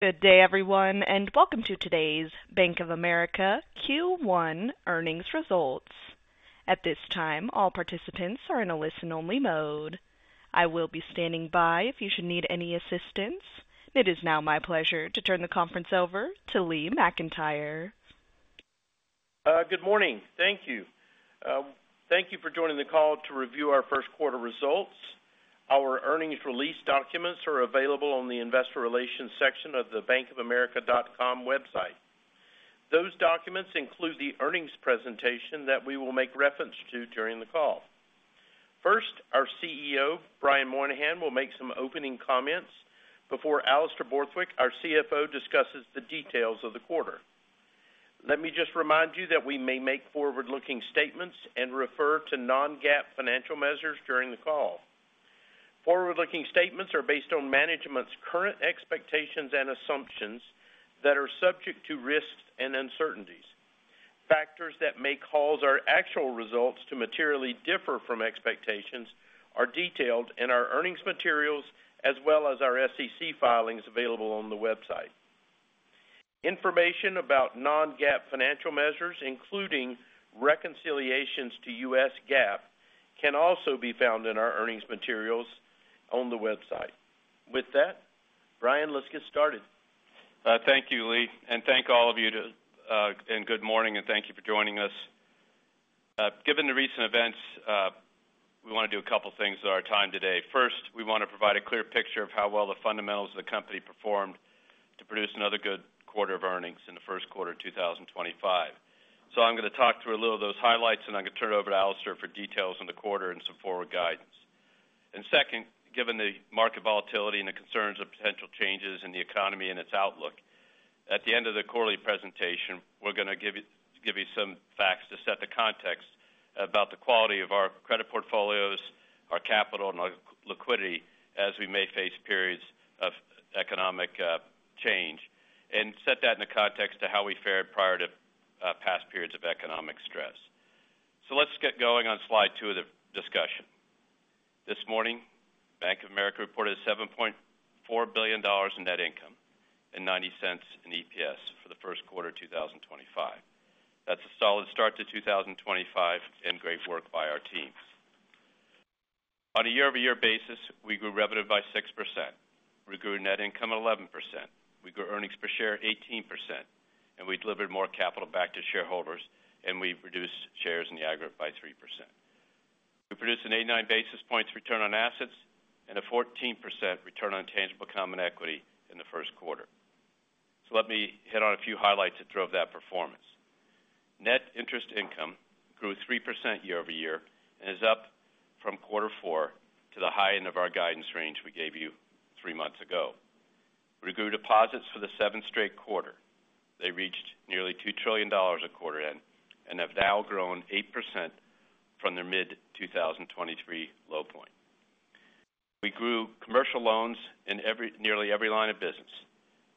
Good day, everyone, and welcome to today's Bank of America Q1 earnings results. At this time, all participants are in a listen-only mode. I will be standing by if you should need any assistance. It is now my pleasure to turn the conference over to Lee McEntire. Good morning. Thank you. Thank you for joining the call to review our first quarter results. Our earnings release documents are available on the investor relations section of the bankofamerica.com website. Those documents include the earnings presentation that we will make reference to during the call. First, our CEO, Brian Moynihan, will make some opening comments before Alastair Borthwick, our CFO, discusses the details of the quarter. Let me just remind you that we may make forward-looking statements and refer to non-GAAP financial measures during the call. Forward-looking statements are based on management's current expectations and assumptions that are subject to risks and uncertainties. Factors that may cause our actual results to materially differ from expectations are detailed in our earnings materials as well as our SEC filings available on the website. Information about non-GAAP financial measures, including reconciliations to US GAAP, can also be found in our earnings materials on the website. With that, Brian, let's get started. Thank you, Lee, and thank all of you too, and good morning, and thank you for joining us. Given the recent events, we want to do a couple of things with our time today. First, we want to provide a clear picture of how well the fundamentals of the company performed to produce another good quarter of earnings in the first quarter of 2025. I'm going to talk through a little of those highlights, and I'm going to turn it over to Alastair for details on the quarter and some forward guidance. Second, given the market volatility and the concerns of potential changes in the economy and its outlook, at the end of the quarterly presentation, we're going to give you some facts to set the context about the quality of our credit portfolios, our capital, and our liquidity as we may face periods of economic change, and set that in the context of how we fared prior to past periods of economic stress. Let's get going on slide two of the discussion. This morning, Bank of America reported $7.4 billion in net income and $0.90 in EPS for the first quarter of 2025. That's a solid start to 2025 and great work by our teams. On a year-over-year basis, we grew revenue by 6%. We grew net income 11%. We grew earnings per share 18%, and we delivered more capital back to shareholders, and we reduced shares in the aggregate by 3%. We produced an 89 basis points return on assets and a 14% return on tangible common equity in the first quarter. Let me hit on a few highlights to throw off that performance. Net interest income grew 3% year-over-year and is up from quarter four to the high end of our guidance range we gave you three months ago. We grew deposits for the seventh straight quarter. They reached nearly $2 trillion at quarter end and have now grown 8% from their mid-2023 low point. We grew commercial loans in nearly every line of business.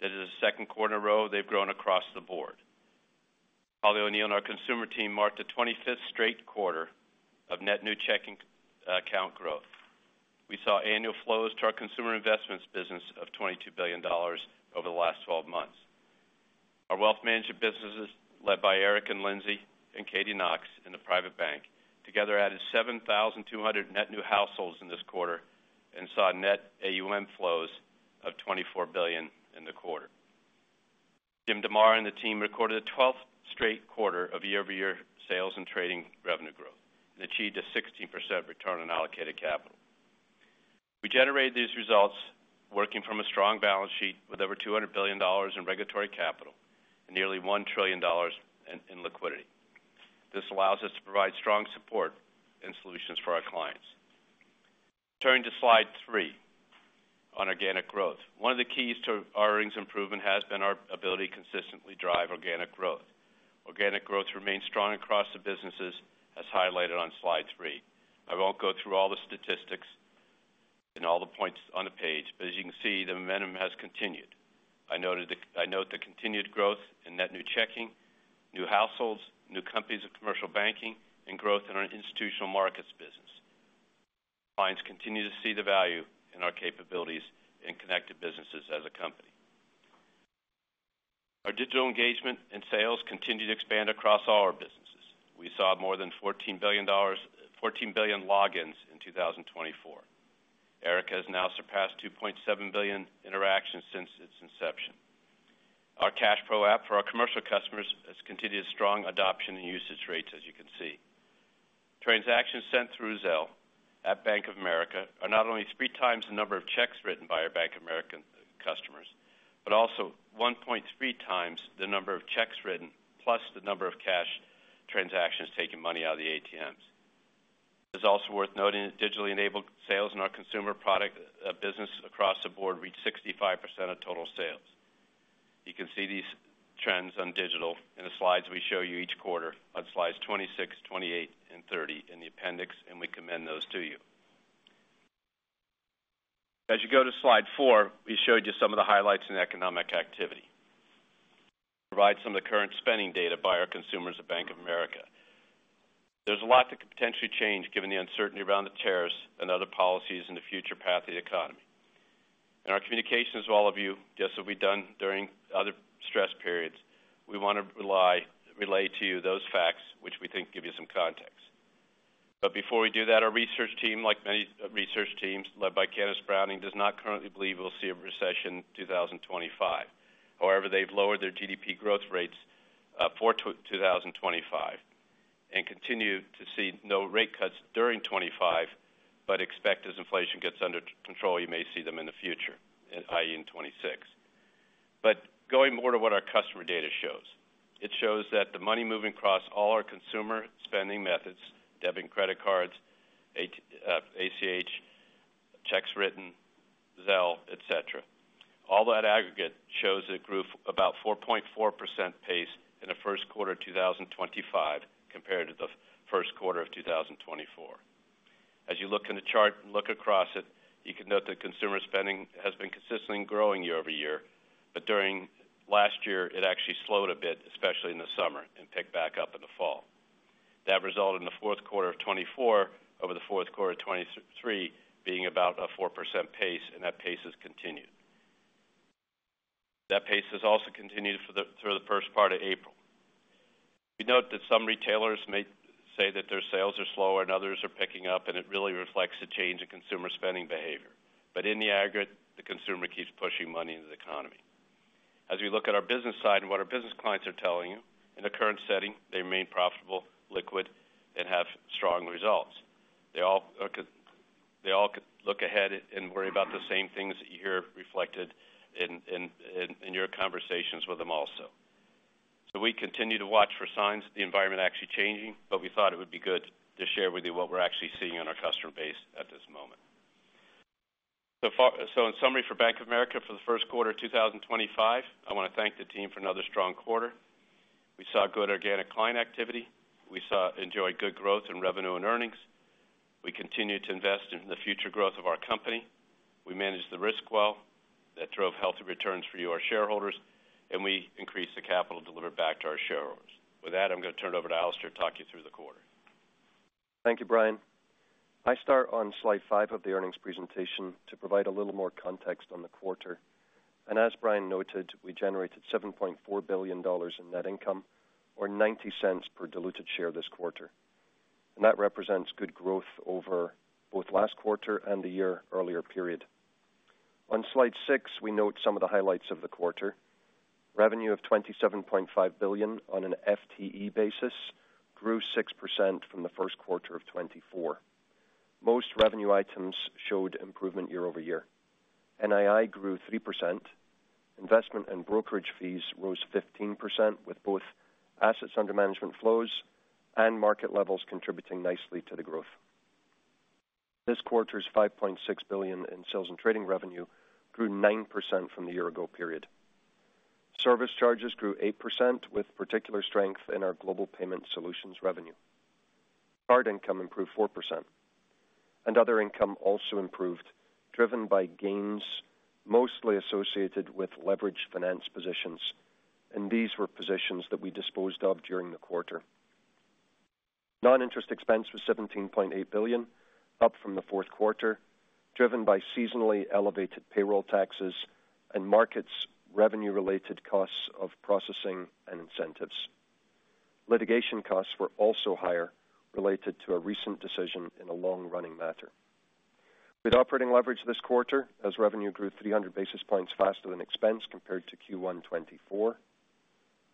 That is the second quarter in a row they've grown across the board. Holly O'Neill and our consumer team marked the 25th straight quarter of net new checking account growth. We saw annual flows to our consumer investments business of $22 billion over the last 12 months. Our wealth management businesses led by Eric and Lindsay and Katy Knox in the private bank together added 7,200 net new households in this quarter and saw net AUM flows of $24 billion in the quarter. Jim DeMare and the team recorded a 12th straight quarter of year-over-year sales and trading revenue growth and achieved a 16% return on allocated capital. We generated these results working from a strong balance sheet with over $200 billion in regulatory capital and nearly $1 trillion in liquidity. This allows us to provide strong support and solutions for our clients. Turning to slide three on organic growth, one of the keys to our earnings improvement has been our ability to consistently drive organic growth. Organic growth remains strong across the businesses, as highlighted on slide three. I won't go through all the statistics and all the points on the page, but as you can see, the momentum has continued. I note the continued growth in net new checking, new households, new companies of commercial banking, and growth in our institutional markets business. Clients continue to see the value in our capabilities and connected businesses as a company. Our digital engagement and sales continue to expand across all our businesses. We saw more than 14 billion logins in 2024. Erica has now surpassed 2.7 billion interactions since its inception. Our CashPro app for our commercial customers has continued a strong adoption and usage rates, as you can see. Transactions sent through Zelle at Bank of America are not only three times the number of checks written by our Bank of America customers, but also 1.3 times the number of checks written plus the number of cash transactions taking money out of the ATMs. It's also worth noting that digitally enabled sales in our consumer product business across the board reach 65% of total sales. You can see these trends on digital in the slides we show you each quarter on slides 26, 28, and 30 in the appendix, and we commend those to you. As you go to slide four, we showed you some of the highlights in economic activity. We provide some of the current spending data by our consumers at Bank of America. There's a lot that could potentially change given the uncertainty around the tariffs and other policies and the future path of the economy. In our communications to all of you, just as we've done during other stress periods, we want to relay to you those facts which we think give you some context. Before we do that, our research team, like many research teams led by Candace Browning, does not currently believe we'll see a recession in 2025. However, they've lowered their GDP growth rates for 2025 and continue to see no rate cuts during 2025, but expect as inflation gets under control, you may see them in the future, i.e., in 2026. Going more to what our customer data shows, it shows that the money moving across all our consumer spending methods, debit and credit cards, ACH, cheques written, Zelle, etc., all that aggregate shows it grew about 4.4% pace in the first quarter of 2025 compared to the first quarter of 2024. As you look in the chart and look across it, you can note that consumer spending has been consistently growing year-over-year, but during last year, it actually slowed a bit, especially in the summer, and picked back up in the fall. That resulted in the fourth quarter of 2024 over the fourth quarter of 2023 being about a 4% pace, and that pace has continued. That pace has also continued through the first part of April. We note that some retailers may say that their sales are slower and others are picking up, and it really reflects a change in consumer spending behavior. In the aggregate, the consumer keeps pushing money into the economy. As we look at our business side and what our business clients are telling you, in the current setting, they remain profitable, liquid, and have strong results. They all look ahead and worry about the same things that you hear reflected in your conversations with them also. We continue to watch for signs of the environment actually changing, but we thought it would be good to share with you what we're actually seeing on our customer base at this moment. In summary for Bank of America for the first quarter of 2025, I want to thank the team for another strong quarter. We saw good organic client activity. We enjoyed good growth in revenue and earnings. We continue to invest in the future growth of our company. We managed the risk well that drove healthy returns for you, our shareholders, and we increased the capital delivered back to our shareholders. With that, I'm going to turn it over to Alastair to talk you through the quarter. Thank you, Brian. I start on slide five of the earnings presentation to provide a little more context on the quarter. As Brian noted, we generated $7.4 billion in net income or $0.90 per diluted share this quarter. That represents good growth over both last quarter and the year earlier period. On slide six, we note some of the highlights of the quarter. Revenue of $27.5 billion on an FTE basis grew 6% from the first quarter of 2024. Most revenue items showed improvement year-over-year. NII grew 3%. Investment and brokerage fees rose 15% with both assets under management flows and market levels contributing nicely to the growth. This quarter's $5.6 billion in sales and trading revenue grew 9% from the year-ago period. Service charges grew 8% with particular strength in our global payment solutions revenue. Card income improved 4%. Other income also improved, driven by gains mostly associated with leveraged finance positions, and these were positions that we disposed of during the quarter. Non-interest expense was $17.8 billion, up from the fourth quarter, driven by seasonally elevated payroll taxes and markets' revenue-related costs of processing and incentives. Litigation costs were also higher, related to a recent decision in a long-running matter. With operating leverage this quarter, as revenue grew 300 basis points faster than expense compared to Q1 2024,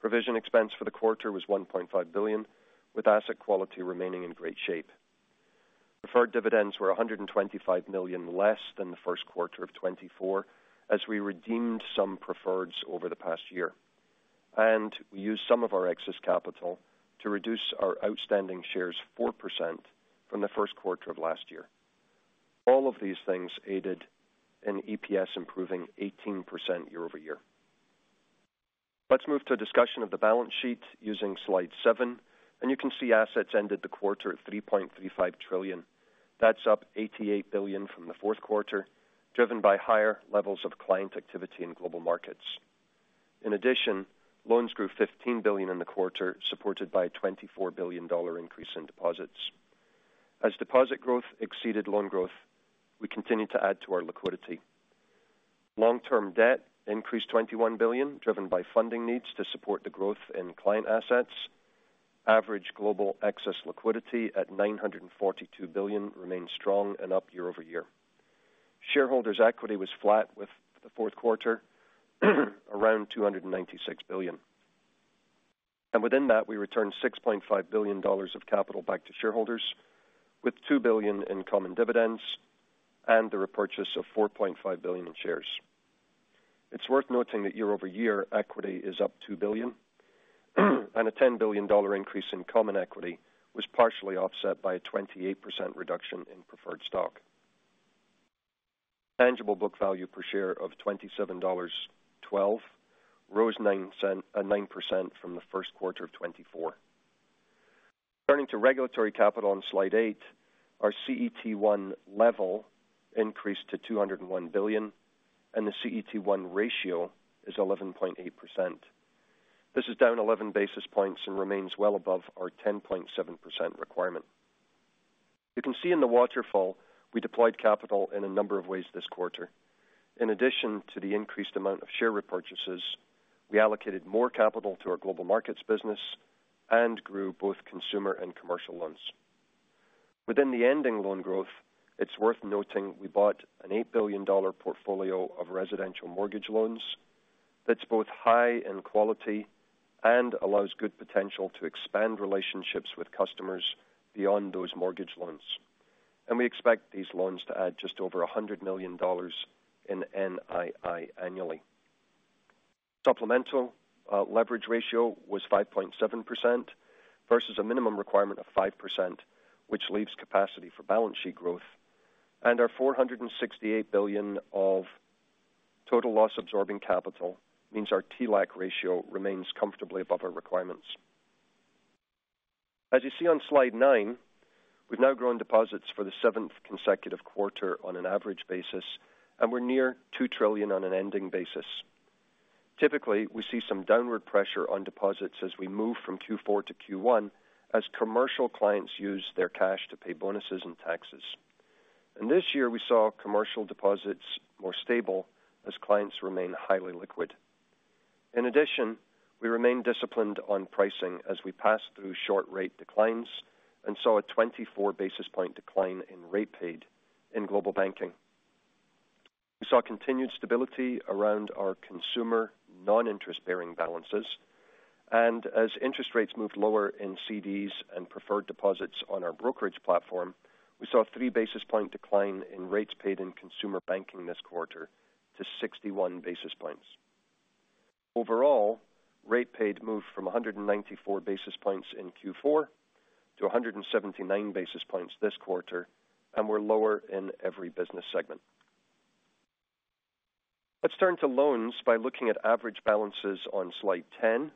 provision expense for the quarter was $1.5 billion, with asset quality remaining in great shape. Preferred dividends were $125 million less than the first quarter of 2024, as we redeemed some preferreds over the past year. We used some of our excess capital to reduce our outstanding shares 4% from the first quarter of last year. All of these things aided in EPS improving 18% year-over-year. Let's move to a discussion of the balance sheet using slide seven. You can see assets ended the quarter at $3.35 trillion. That's up $88 billion from the fourth quarter, driven by higher levels of client activity in Global Markets. In addition, loans grew $15 billion in the quarter, supported by a $24 billion increase in deposits. As deposit growth exceeded loan growth, we continued to add to our liquidity. Long-term debt increased $21 billion, driven by funding needs to support the growth in client assets. Average global excess liquidity at $942 billion remained strong and up year-over-year. Shareholders' equity was flat with the fourth quarter, around $296 billion. Within that, we returned $6.5 billion of capital back to shareholders, with $2 billion in common dividends and the repurchase of $4.5 billion in shares. It's worth noting that year-over-year, equity is up $2 billion, and a $10 billion increase in common equity was partially offset by a 28% reduction in preferred stock. Tangible book value per share of $27.12 rose 9% from the first quarter of 2024. Turning to regulatory capital on slide eight, our CET1 level increased to $201 billion, and the CET1 ratio is 11.8%. This is down 11 basis points and remains well above our 10.7% requirement. You can see in the waterfall, we deployed capital in a number of ways this quarter. In addition to the increased amount of share repurchases, we allocated more capital to our Global Markets business and grew both consumer and commercial loans. Within the ending loan growth, it's worth noting we bought an $8 billion portfolio of residential mortgage loans. That's both high in quality and allows good potential to expand relationships with customers beyond those mortgage loans. We expect these loans to add just over $100 million in NII annually. Supplemental leverage ratio was 5.7% versus a minimum requirement of 5%, which leaves capacity for balance sheet growth. Our $468 billion of Total Loss Absorbing Capital means our TLAC ratio remains comfortably above our requirements. As you see on slide nine, we've now grown deposits for the seventh consecutive quarter on an average basis, and we're near $2 trillion on an ending basis. Typically, we see some downward pressure on deposits as we move from Q4 to Q1, as commercial clients use their cash to pay bonuses and taxes. This year, we saw commercial deposits more stable as clients remain highly liquid. In addition, we remain disciplined on pricing as we passed through short rate declines and saw a 24 basis point decline in rate paid in global banking. We saw continued stability around our consumer non-interest-bearing balances. As interest rates moved lower in CDs and preferred deposits on our brokerage platform, we saw a 3 basis point decline in rates paid in consumer banking this quarter to 61 basis points. Overall, rate paid moved from 194 basis points in Q4 to 179 basis points this quarter, and we are lower in every business segment. Let's turn to loans by looking at average balances on slide 10.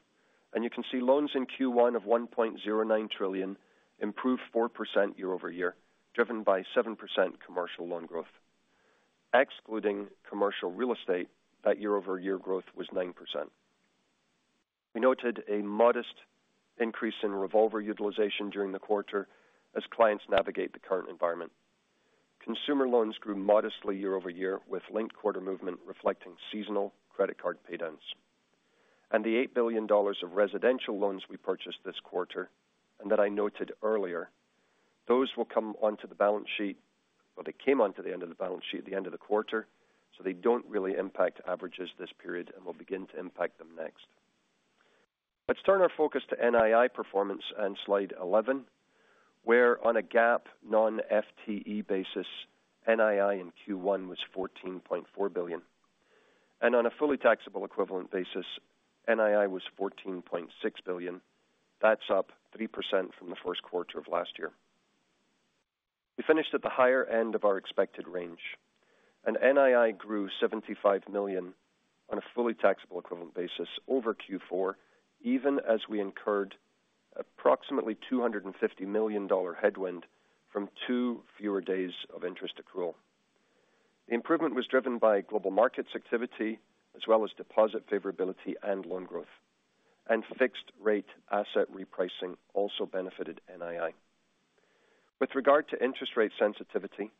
You can see loans in Q1 of $1.09 trillion improved 4% year-over-year, driven by 7% commercial loan growth. Excluding commercial real estate, that year-over-year growth was 9%. We noted a modest increase in revolver utilization during the quarter as clients navigate the current environment. Consumer loans grew modestly year-over-year, with linked quarter movement reflecting seasonal credit card paydowns. The $8 billion of residential loans we purchased this quarter, and that I noted earlier, those will come onto the balance sheet, but they came onto the end of the balance sheet at the end of the quarter, so they do not really impact averages this period and will begin to impact them next. Let's turn our focus to NII performance and slide 11, where on a GAAP non-FTE basis, NII in Q1 was $14.4 billion. On a fully taxable equivalent basis, NII was $14.6 billion. That is up 3% from the first quarter of last year. We finished at the higher end of our expected range. NII grew $75 million on a fully taxable equivalent basis over Q4, even as we incurred approximately $250 million headwind from two fewer days of interest accrual. The improvement was driven by Global Markets activity as well as deposit favorability and loan growth. Fixed-rate asset repricing also benefited NII. With regard to interest rate sensitivity,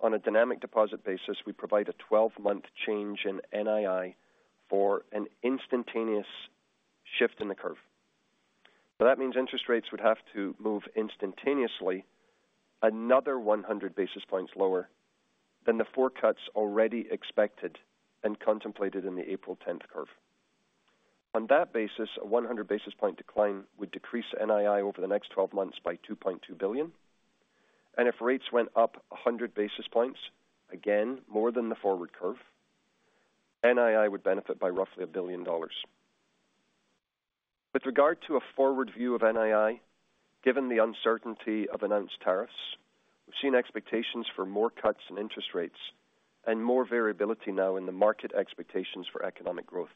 on a dynamic deposit basis, we provide a 12-month change in NII for an instantaneous shift in the curve. That means interest rates would have to move instantaneously another 100 basis points lower than the four cuts already expected and contemplated in the April 10th curve. On that basis, a 100 basis point decline would decrease NII over the next 12 months by $2.2 billion. If rates went up 100 basis points, again, more than the forward curve, NII would benefit by roughly $1 billion. With regard to a forward view of NII, given the uncertainty of announced tariffs, we've seen expectations for more cuts in interest rates and more variability now in the market expectations for economic growth.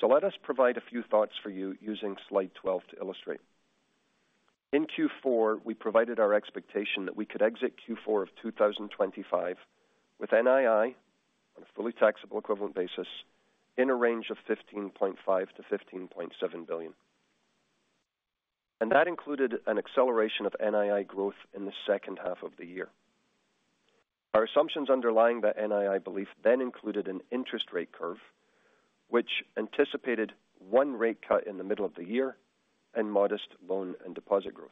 Let us provide a few thoughts for you using slide 12 to illustrate. In Q4, we provided our expectation that we could exit Q4 of 2025 with NII on a fully taxable equivalent basis in a range of $15.5 billion-$15.7 billion. That included an acceleration of NII growth in the second half of the year. Our assumptions underlying that NII belief then included an interest rate curve, which anticipated one rate cut in the middle of the year and modest loan and deposit growth.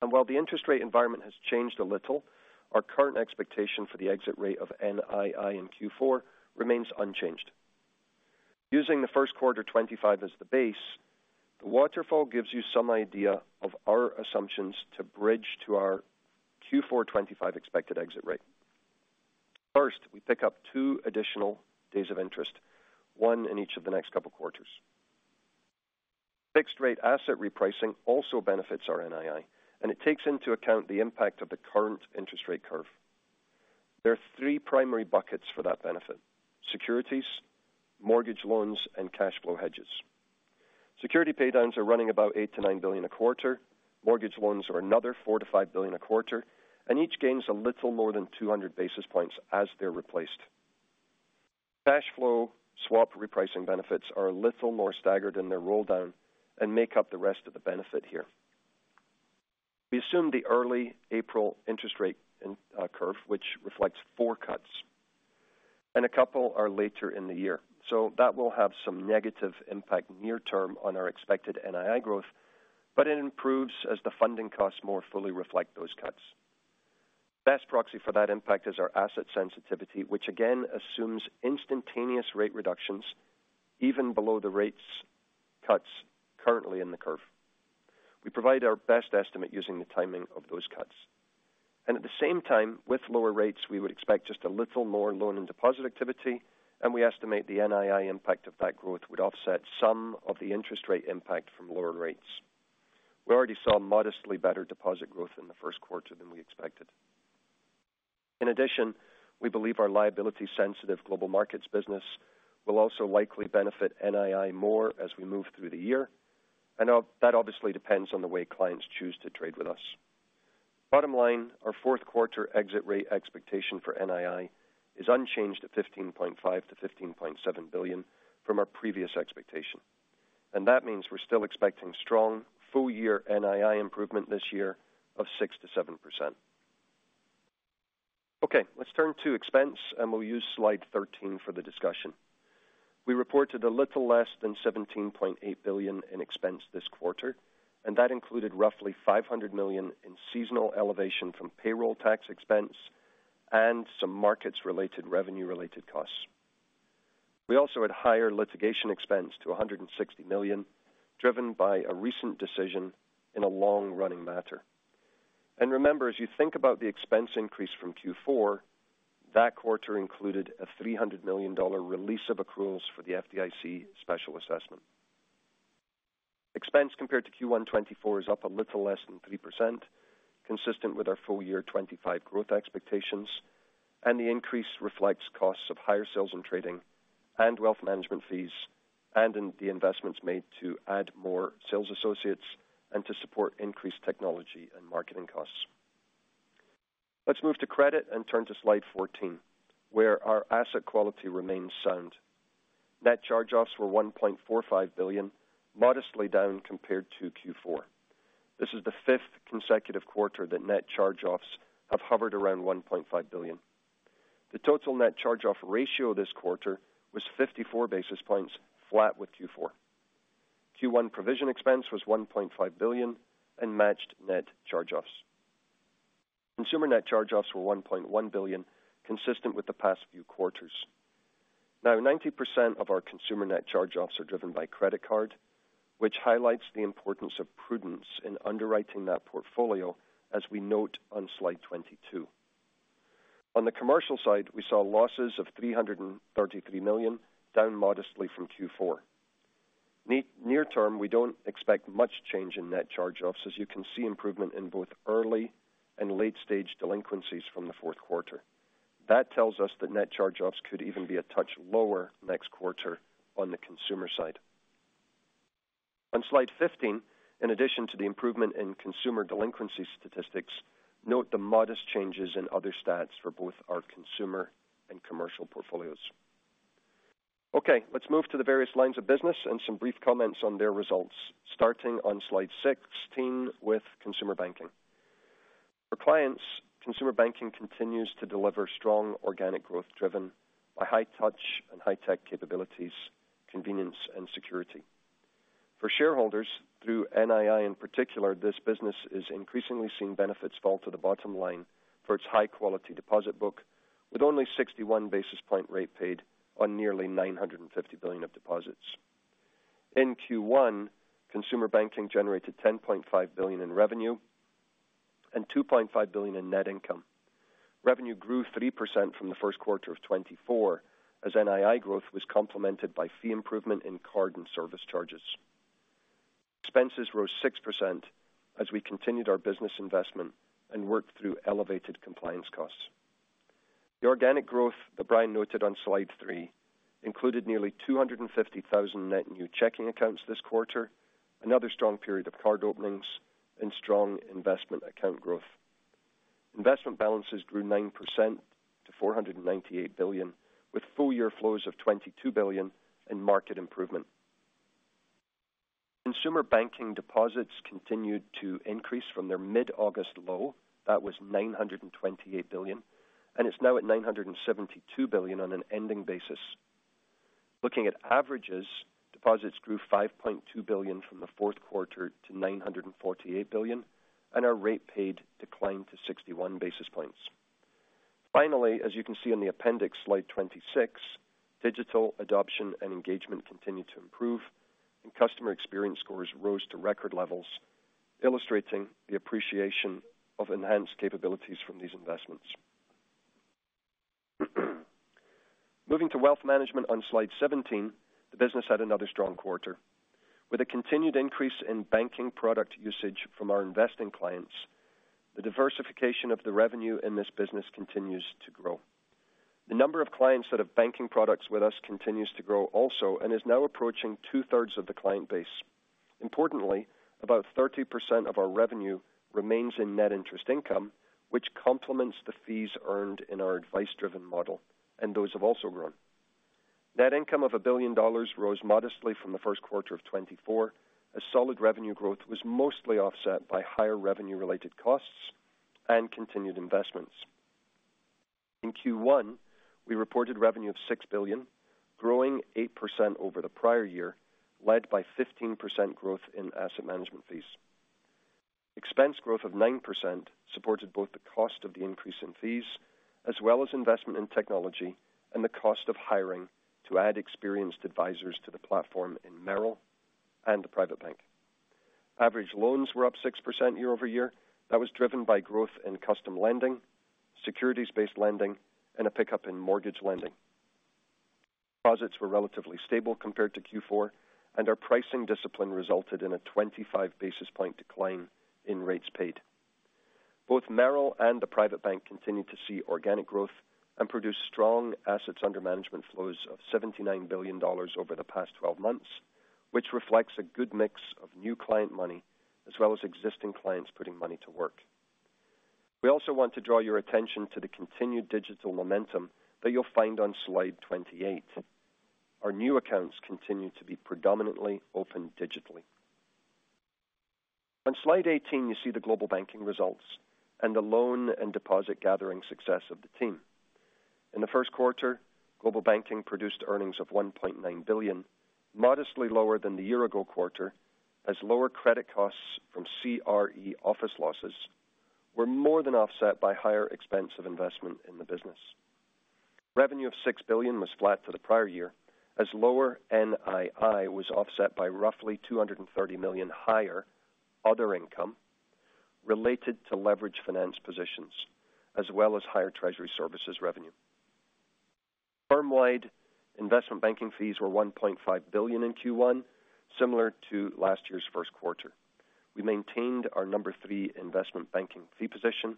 While the interest rate environment has changed a little, our current expectation for the exit rate of NII in Q4 remains unchanged. Using the first quarter 2025 as the base, the waterfall gives you some idea of our assumptions to bridge to our Q4 2025 expected exit rate. First, we pick up two additional days of interest, one in each of the next couple of quarters. Fixed-rate asset repricing also benefits our NII, and it takes into account the impact of the current interest rate curve. There are three primary buckets for that benefit: securities, mortgage loans, and cash flow hedges. Security paydowns are running about $8 billion-$9 billion a quarter. Mortgage loans are another $4 billion-$5 billion a quarter, and each gains a little more than 200 basis points as they're replaced. Cash flow swap repricing benefits are a little more staggered in their roll down and make up the rest of the benefit here. We assume the early-April interest rate curve, which reflects four cuts, and a couple are later in the year. That will have some negative impact near-term on our expected NII growth, but it improves as the funding costs more fully reflect those cuts. Best proxy for that impact is our asset sensitivity, which again assumes instantaneous rate reductions even below the rate cuts currently in the curve. We provide our best estimate using the timing of those cuts. At the same time, with lower rates, we would expect just a little more loan and deposit activity, and we estimate the NII impact of that growth would offset some of the interest rate impact from lower rates. We already saw modestly better deposit growth in the first quarter than we expected. In addition, we believe our liability-sensitive Global Markets business will also likely benefit NII more as we move through the year. That obviously depends on the way clients choose to trade with us. Bottom line, our fourth quarter exit rate expectation for NII is unchanged at $15.5 billion-$15.7 billion from our previous expectation. That means we're still expecting strong full-year NII improvement this year of 6%-7%. Okay, let's turn to expense, and we'll use slide 13 for the discussion. We reported a little less than $17.8 billion in expense this quarter, and that included roughly $500 million in seasonal elevation from payroll tax expense and some markets-related revenue-related costs. We also had higher litigation expense to $160 million, driven by a recent decision in a long-running matter. Remember, as you think about the expense increase from Q4, that quarter included a $300 million release of accruals for the FDIC special assessment. Expense compared to Q1 2024 is up a little less than 3%, consistent with our full-year 2025 growth expectations. The increase reflects costs of higher sales and trading and wealth management fees and in the investments made to add more sales associates and to support increased technology and marketing costs. Let's move to credit and turn to slide 14, where our asset quality remains sound. Net charge-offs were $1.45 billion, modestly down compared to Q4. This is the fifth consecutive quarter that net charge-offs have hovered around $1.5 billion. The total net charge-off ratio this quarter was 54 basis points, flat with Q4. Q1 provision expense was $1.5 billion and matched net charge-offs. Consumer net charge-offs were $1.1 billion, consistent with the past few quarters. Now, 90% of our consumer net charge-offs are driven by credit card, which highlights the importance of prudence in underwriting that portfolio, as we note on slide 22. On the commercial side, we saw losses of $333 million, down modestly from Q4. Near-term, we do not expect much change in net charge-offs, as you can see improvement in both early and late-stage delinquencies from the fourth quarter. That tells us that net charge-offs could even be a touch lower next quarter on the consumer side. On slide 15, in addition to the improvement in consumer delinquency statistics, note the modest changes in other stats for both our consumer and commercial portfolios. Okay, let's move to the various lines of business and some brief comments on their results, starting on slide 16 with consumer banking. For clients, consumer banking continues to deliver strong organic growth driven by high-touch and high-tech capabilities, convenience, and security. For shareholders, through NII in particular, this business is increasingly seeing benefits fall to the bottom line for its high-quality deposit book, with only 61 basis point rate paid on nearly $950 billion of deposits. In Q1, consumer banking generated $10.5 billion in revenue and $2.5 billion in net income. Revenue grew 3% from the first quarter of 2024, as NII growth was complemented by fee improvement in card and service charges. Expenses rose 6% as we continued our business investment and worked through elevated compliance costs. The organic growth that Brian noted on slide three included nearly 250,000 net new checking accounts this quarter, another strong period of card openings, and strong investment account growth. Investment balances grew 9% to $498 billion, with full-year flows of $22 billion and market improvement. Consumer banking deposits continued to increase from their mid-August low. That was $928 billion, and it's now at $972 billion on an ending basis. Looking at averages, deposits grew $5.2 billion from the fourth quarter to $948 billion, and our rate paid declined to 61 basis points. Finally, as you can see in the appendix slide 26, digital adoption and engagement continued to improve, and customer experience scores rose to record levels, illustrating the appreciation of enhanced capabilities from these investments. Moving to wealth management on slide 17, the business had another strong quarter. With a continued increase in banking product usage from our investing clients, the diversification of the revenue in this business continues to grow. The number of clients that have banking products with us continues to grow also and is now approaching two-thirds of the client base. Importantly, about 30% of our revenue remains in net interest income, which complements the fees earned in our advice-driven model, and those have also grown. Net income of $1 billion rose modestly from the first quarter of 2024, as solid revenue growth was mostly offset by higher revenue-related costs and continued investments. In Q1, we reported revenue of $6 billion, growing 8% over the prior year, led by 15% growth in asset management fees. Expense growth of 9% supported both the cost of the increase in fees as well as investment in technology and the cost of hiring to add experienced advisors to the platform in Merrill and the private bank. Average loans were up 6% year-over-year. That was driven by growth in custom lending, securities-based lending, and a pickup in mortgage lending. Deposits were relatively stable compared to Q4, and our pricing discipline resulted in a 25 basis point decline in rates paid. Both Merrill and the private bank continued to see organic growth and produce strong assets under management flows of $79 billion over the past 12 months, which reflects a good mix of new client money as well as existing clients putting money to work. We also want to draw your attention to the continued digital momentum that you'll find on slide 28. Our new accounts continue to be predominantly open digitally. On slide 18, you see the global banking results and the loan and deposit gathering success of the team. In the first quarter, global banking produced earnings of $1.9 billion, modestly lower than the year-ago quarter, as lower credit costs from CRE office losses were more than offset by higher expense of investment in the business. Revenue of $6 billion was flat to the prior year, as lower NII was offset by roughly $230 million higher other income related to leverage finance positions, as well as higher Treasury Services revenue. Firm-wide investment banking fees were $1.5 billion in Q1, similar to last year's first quarter. We maintained our number three investment banking fee position,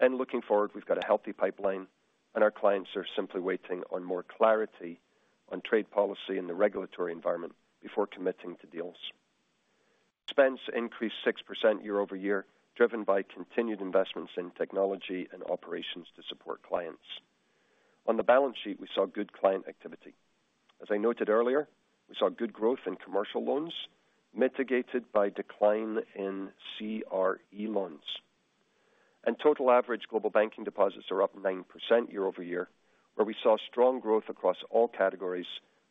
and looking forward, we've got a healthy pipeline, and our clients are simply waiting on more clarity on trade policy and the regulatory environment before committing to deals. Expense increased 6% year-over-year, driven by continued investments in technology and operations to support clients. On the balance sheet, we saw good client activity. As I noted earlier, we saw good growth in commercial loans, mitigated by decline in CRE loans. Total average global banking deposits are up 9% year-over-year, where we saw strong growth across all categories,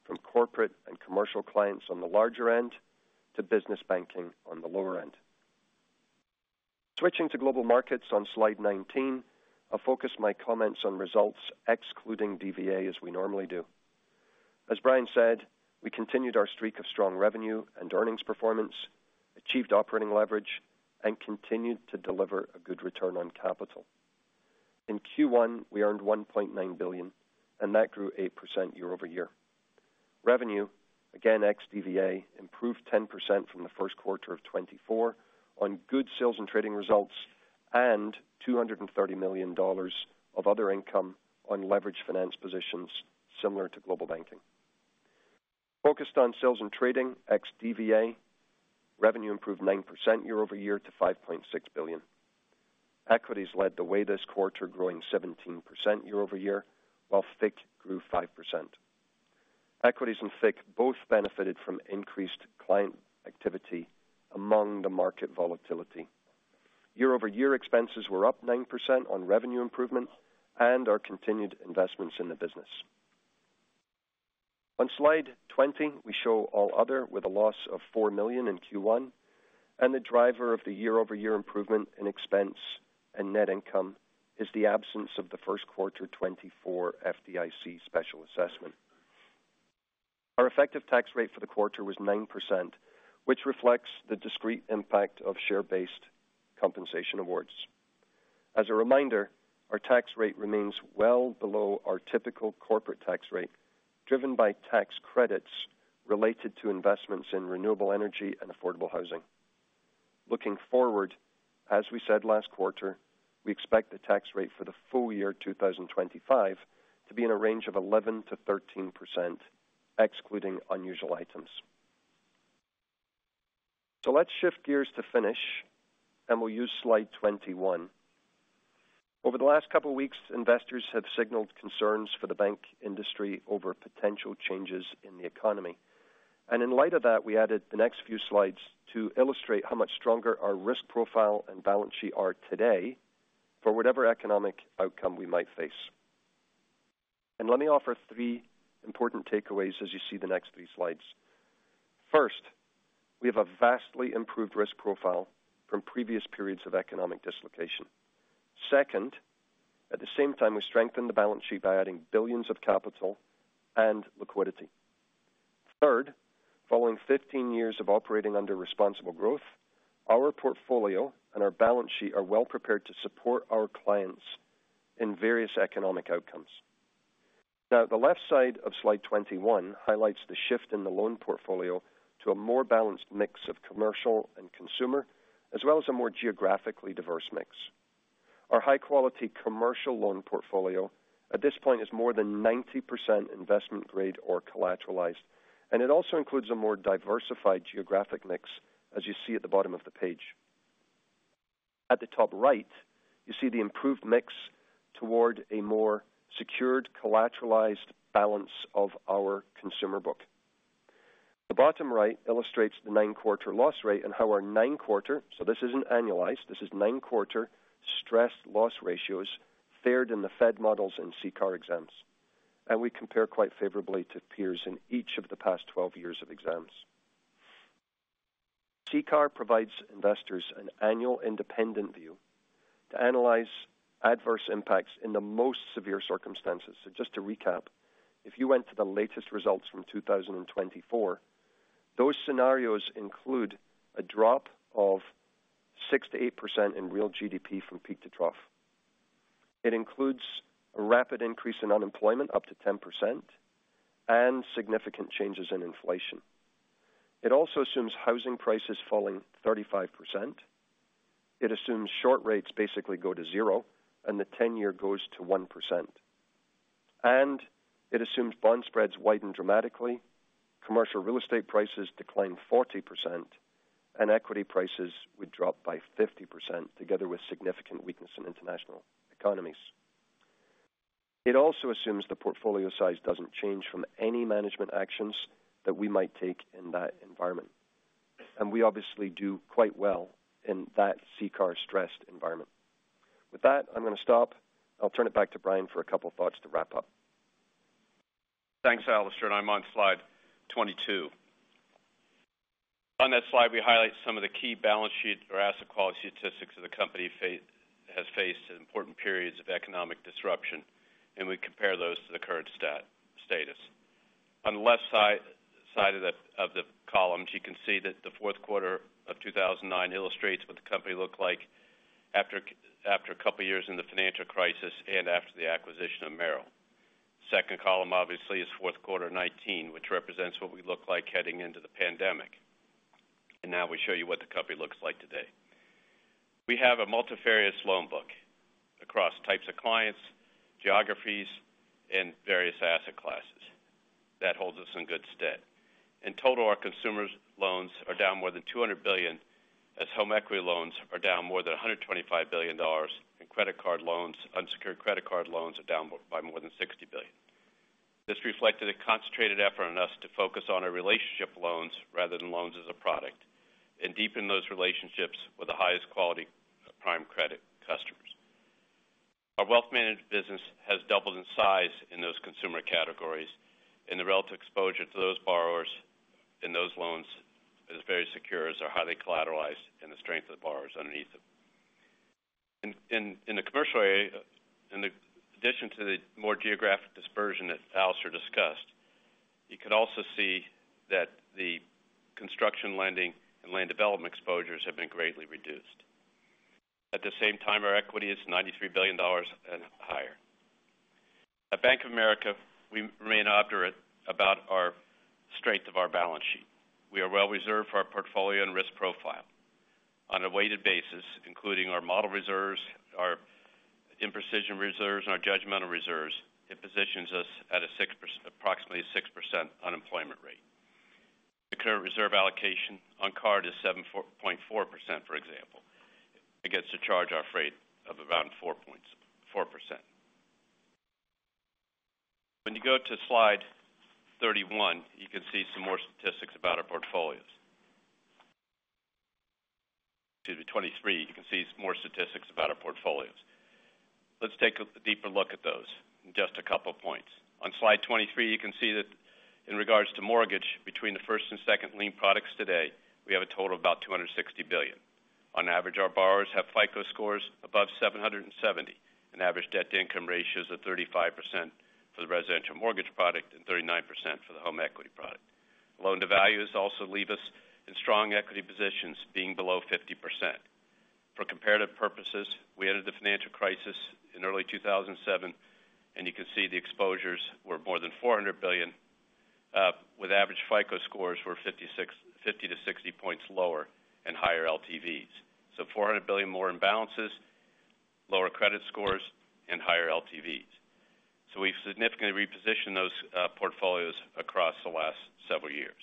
from corporate and commercial clients on the larger end to business banking on the lower end. Switching to Global Markets on slide 19, I'll focus my comments on results, excluding DVA, as we normally do. As Brian said, we continued our streak of strong revenue and earnings performance, achieved operating leverage, and continued to deliver a good return on capital. In Q1, we earned $1.9 billion, and that grew 8% year-over-year. Revenue, again ex DVA, improved 10% from the first quarter of 2024 on good sales and trading results and $230 million of other income on leverage finance positions, similar to global banking. Focused on sales and trading, ex DVA, revenue improved 9% year-over-year to $5.6 billion. Equities led the way this quarter, growing 17% year-over-year, while FICC grew 5%. Equities and FICC both benefited from increased client activity among the market volatility. Year-over-year expenses were up 9% on revenue improvement and our continued investments in the business. On slide 20, we show all other with a loss of $4 million in Q1, and the driver of the year-over-year improvement in expense and net income is the absence of the first quarter 2024 FDIC special assessment. Our effective tax rate for the quarter was 9%, which reflects the discreet impact of share-based compensation awards. As a reminder, our tax rate remains well below our typical corporate tax rate, driven by tax credits related to investments in renewable energy and affordable housing. Looking forward, as we said last quarter, we expect the tax rate for the full year 2025 to be in a range of 11%-13%, excluding unusual items. Let's shift gears to finish, and we'll use slide 21. Over the last couple of weeks, investors have signaled concerns for the bank industry over potential changes in the economy. In light of that, we added the next few slides to illustrate how much stronger our risk profile and balance sheet are today for whatever economic outcome we might face. Let me offer three important takeaways as you see the next three slides. First, we have a vastly improved risk profile from previous periods of economic dislocation. Second, at the same time, we strengthened the balance sheet by adding billions of capital and liquidity. Third, following 15 years of operating under responsible growth, our portfolio and our balance sheet are well-prepared to support our clients in various economic outcomes. Now, the left side of slide 21 highlights the shift in the loan portfolio to a more balanced mix of commercial and consumer, as well as a more geographically diverse mix. Our high-quality commercial loan portfolio at this point is more than 90% investment-grade or collateralized, and it also includes a more diversified geographic mix, as you see at the bottom of the page. At the top right, you see the improved mix toward a more secured collateralized balance of our consumer book. The bottom right illustrates the nine-quarter loss rate and how our nine-quarter—so this isn't annualized; this is nine-quarter stress loss ratios fared in the Fed models and CCAR exams. We compare quite favorably to peers in each of the past 12 years of exams. CCAR provides investors an annual independent view to analyze adverse impacts in the most severe circumstances. Just to recap, if you went to the latest results from 2024, those scenarios include a drop of 6-8% in real GDP from peak to trough. It includes a rapid increase in unemployment up to 10% and significant changes in inflation. It also assumes housing prices falling 35%. It assumes short rates basically go to zero and the 10-year goes to 1%. It assumes bond spreads widen dramatically, commercial real estate prices decline 40%, and equity prices would drop by 50%, together with significant weakness in international economies. It also assumes the portfolio size does not change from any management actions that we might take in that environment. We obviously do quite well in that CCAR stressed environment. With that, I'm going to stop. I'll turn it back to Brian for a couple of thoughts to wrap up. Thanks, Alastair. I'm on slide 22. On that slide, we highlight some of the key balance sheet or asset quality statistics that the company has faced in important periods of economic disruption, and we compare those to the current status. On the left side of the columns, you can see that the fourth quarter of 2009 illustrates what the company looked like after a couple of years in the financial crisis and after the acquisition of Merrill. The second column, obviously, is fourth quarter 2019, which represents what we looked like heading into the pandemic. Now we show you what the company looks like today. We have a multifarious loan book across types of clients, geographies, and various asset classes. That holds us in good stead. In total, our consumer loans are down more than $200 billion, as home equity loans are down more than $125 billion, and unsecured credit card loans are down by more than $60 billion. This reflected a concentrated effort on us to focus on our relationship loans rather than loans as a product and deepen those relationships with the highest quality prime credit customers. Our wealth management business has doubled in size in those consumer categories, and the relative exposure to those borrowers in those loans is very secure as they're highly collateralized and the strength of the borrowers underneath them. In the commercial area, in addition to the more geographic dispersion that Alastair discussed, you could also see that the construction lending and land development exposures have been greatly reduced. At the same time, our equity is $93 billion and higher. At Bank of America, we remain obdurate about the strength of our balance sheet. We are well-reserved for our portfolio and risk profile. On a weighted basis, including our model reserves, our imprecision reserves, and our judgmental reserves, it positions us at approximately a 6% unemployment rate. The current reserve allocation on card is 7.4%, for example, against a charge, I'm afraid, of around 4%. When you go to slide 31, you can see some more statistics about our portfolios. Excuse me, 23, you can see more statistics about our portfolios. Let's take a deeper look at those in just a couple of points. On slide 23, you can see that in regards to mortgage, between the first and second lien products today, we have a total of about $260 billion. On average, our borrowers have FICO scores above 770, and average debt-to-income ratios are 35% for the residential mortgage product and 39% for the home equity product. Loan-to-values also leave us in strong equity positions, being below 50%. For comparative purposes, we entered the financial crisis in early 2007, and you can see the exposures were more than $400 billion, with average FICO scores 50-60 points lower and higher LTVs. $400 billion more in balances, lower credit scores, and higher LTVs. We have significantly repositioned those portfolios across the last several years.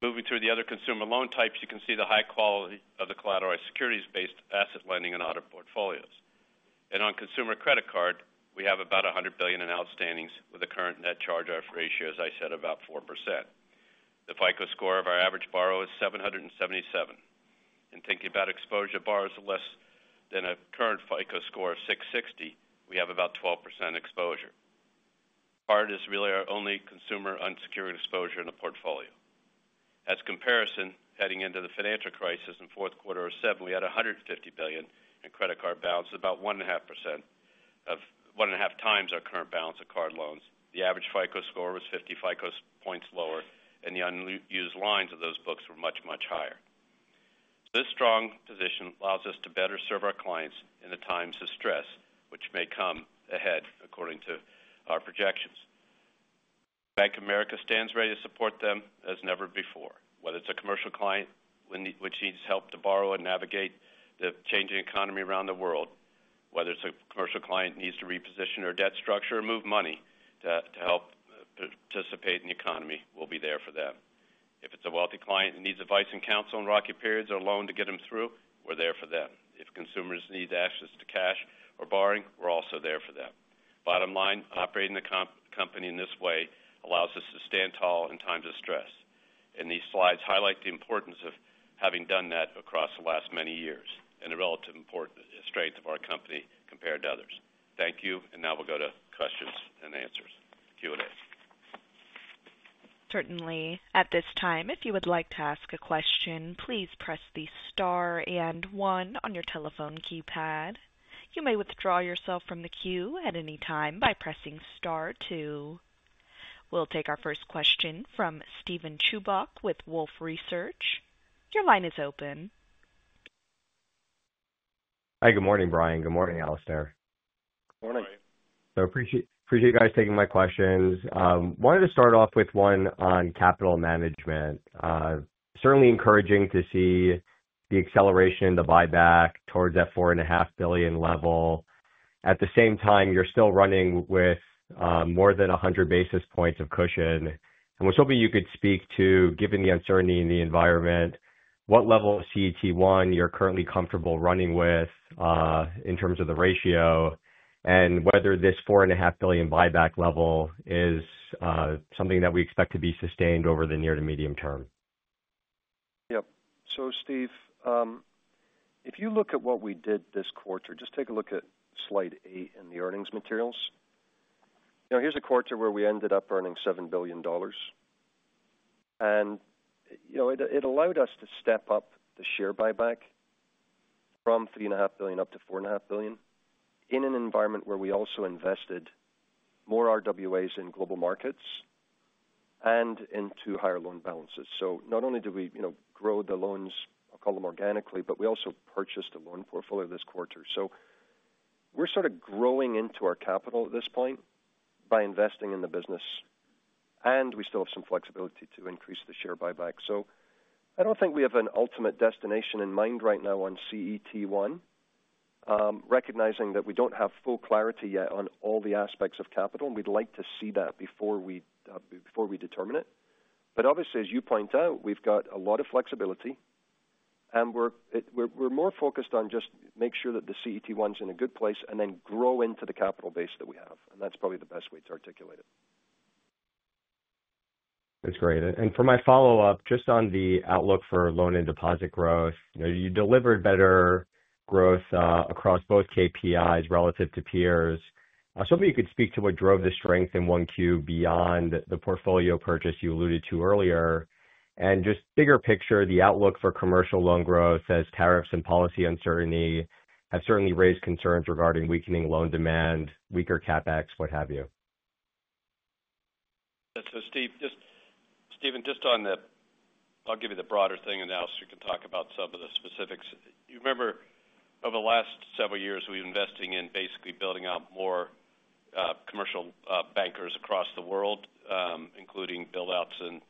Moving through the other consumer loan types, you can see the high quality of the collateralized securities-based asset lending and audit portfolios. On consumer credit card, we have about $100 billion in outstandings with a current net charge of, as I said, about 4%. The FICO score of our average borrower is 777. Thinking about exposure to borrowers less than a current FICO score of 660, we have about 12% exposure. Card is really our only consumer unsecured exposure in the portfolio. As comparison, heading into the financial crisis in fourth quarter 2007, we had $150 billion in credit card balances, about 1.5 times our current balance of card loans. The average FICO score was 50 FICO points lower, and the unused lines of those books were much, much higher. This strong position allows us to better serve our clients in the times of stress, which may come ahead, according to our projections. Bank of America stands ready to support them as never before. Whether it's a commercial client which needs help to borrow and navigate the changing economy around the world, whether it's a commercial client who needs to reposition their debt structure or move money to help participate in the economy, we'll be there for them. If it's a wealthy client who needs advice and counsel in rocky periods or a loan to get them through, we're there for them. If consumers need access to cash or borrowing, we're also there for them. Bottom line, operating the company in this way allows us to stand tall in times of stress. These slides highlight the importance of having done that across the last many years and the relative strength of our company compared to others. Thank you, and now we'll go to questions and answers. Q&A. Certainly, at this time, if you would like to ask a question, please press the star and one on your telephone keypad. You may withdraw yourself from the queue at any time by pressing star two. We'll take our first question from Steven Chubak with Wolfe Research. Your line is open. Hi, good morning, Brian. Good morning, Alastair. Good morning. Appreciate you guys taking my questions. Wanted to start off with one on capital management. Certainly encouraging to see the acceleration, the buyback towards that $4.5 billion level. At the same time, you're still running with more than 100 basis points of cushion. We're hoping you could speak to, given the uncertainty in the environment, what level of CET1 you're currently comfortable running with in terms of the ratio and whether this $4.5 billion buyback level is something that we expect to be sustained over the near to medium term. Yep. Steve, if you look at what we did this quarter, just take a look at slide eight in the earnings materials. Here's a quarter where we ended up earning $7 billion. It allowed us to step up the share buyback from $3.5 billion up to $4.5 billion in an environment where we also invested more RWAs in Global Markets and into higher loan balances. Not only did we grow the loans, I'll call them organically, but we also purchased a loan portfolio this quarter. We're sort of growing into our capital at this point by investing in the business, and we still have some flexibility to increase the share buyback. I don't think we have an ultimate destination in mind right now on CET1, recognizing that we don't have full clarity yet on all the aspects of capital, and we'd like to see that before we determine it. Obviously, as you point out, we've got a lot of flexibility, and we're more focused on just making sure that the CET1's in a good place and then grow into the capital base that we have. That's probably the best way to articulate it. That's great. For my follow-up, just on the outlook for loan and deposit growth, you delivered better growth across both KPIs relative to peers. I was hoping you could speak to what drove the strength in one Q beyond the portfolio purchase you alluded to earlier. Just bigger picture, the outlook for commercial loan growth as tariffs and policy uncertainty have certainly raised concerns regarding weakening loan demand, weaker CapEx, what have you. Steve, just on the—I'll give you the broader thing now so you can talk about some of the specifics. You remember, over the last several years, we've been investing in basically building out more commercial bankers across the world, including build-outs in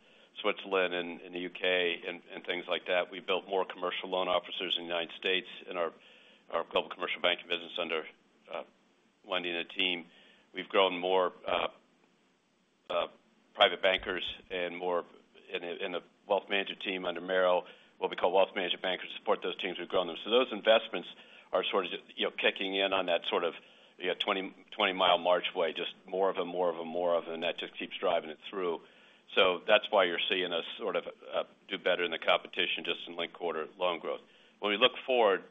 Switzerland and the U.K. and things like that. We built more commercial loan officers in the United States and our global commercial banking business under Wendy and her team. We've grown more private bankers and more in the wealth management team under Merrill, what we call wealth management bankers to support those teams who've grown them. Those investments are sort of kicking in on that sort of 20-mile marchway, just more of them, more of them, more of them, and that just keeps driving it through. That is why you're seeing us sort of do better in the competition just in late quarter loan growth. When we look forward,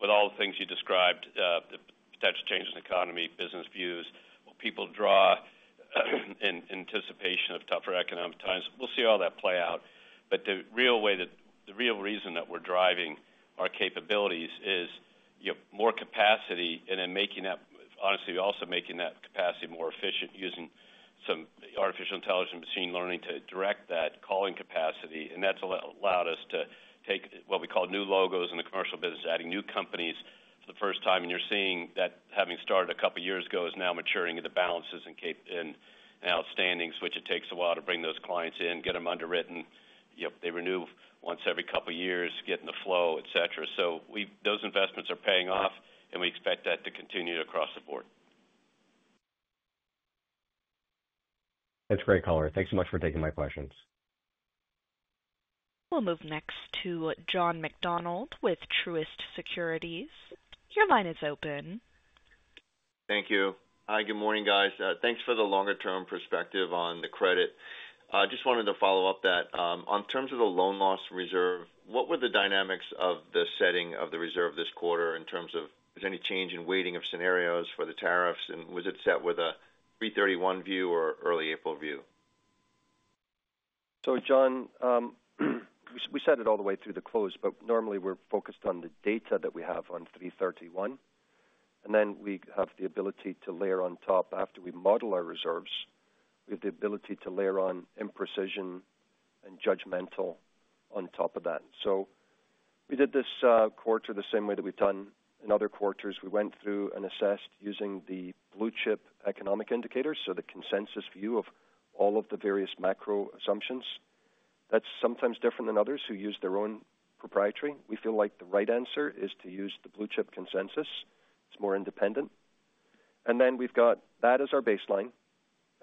with all the things you described, the potential changes in the economy, business views, what people draw in anticipation of tougher economic times, we'll see all that play out. The real reason that we're driving our capabilities is more capacity and then making that, honestly, also making that capacity more efficient using some artificial intelligence and machine learning to direct that calling capacity. That has allowed us to take what we call new logos in the commercial business, adding new companies for the first time. You are seeing that having started a couple of years ago is now maturing into balances and outstandings, which it takes a while to bring those clients in, get them underwritten. They renew once every couple of years, get in the flow, etc. Those investments are paying off, and we expect that to continue across the board. That's great color. Thanks so much for taking my questions. We'll move next to John McDonald with Truist Securities. Your line is open. Thank you. Hi, good morning, guys. Thanks for the longer-term perspective on the credit. I just wanted to follow up that. In terms of the loan loss reserve, what were the dynamics of the setting of the reserve this quarter in terms of any change in weighting of scenarios for the tariffs? Was it set with a 3/31 view or early April view? John, we set it all the way through the close, but normally we're focused on the data that we have on 3/31. Then we have the ability to layer on top, after we model our reserves, we have the ability to layer on imprecision and judgmental on top of that. We did this quarter the same way that we've done in other quarters. We went through and assessed using the Blue Chip economic indicators, so the consensus view of all of the various macro assumptions. That's sometimes different than others who use their own proprietary. We feel like the right answer is to use the Blue Chip consensus. It's more independent. Then we've got that as our baseline,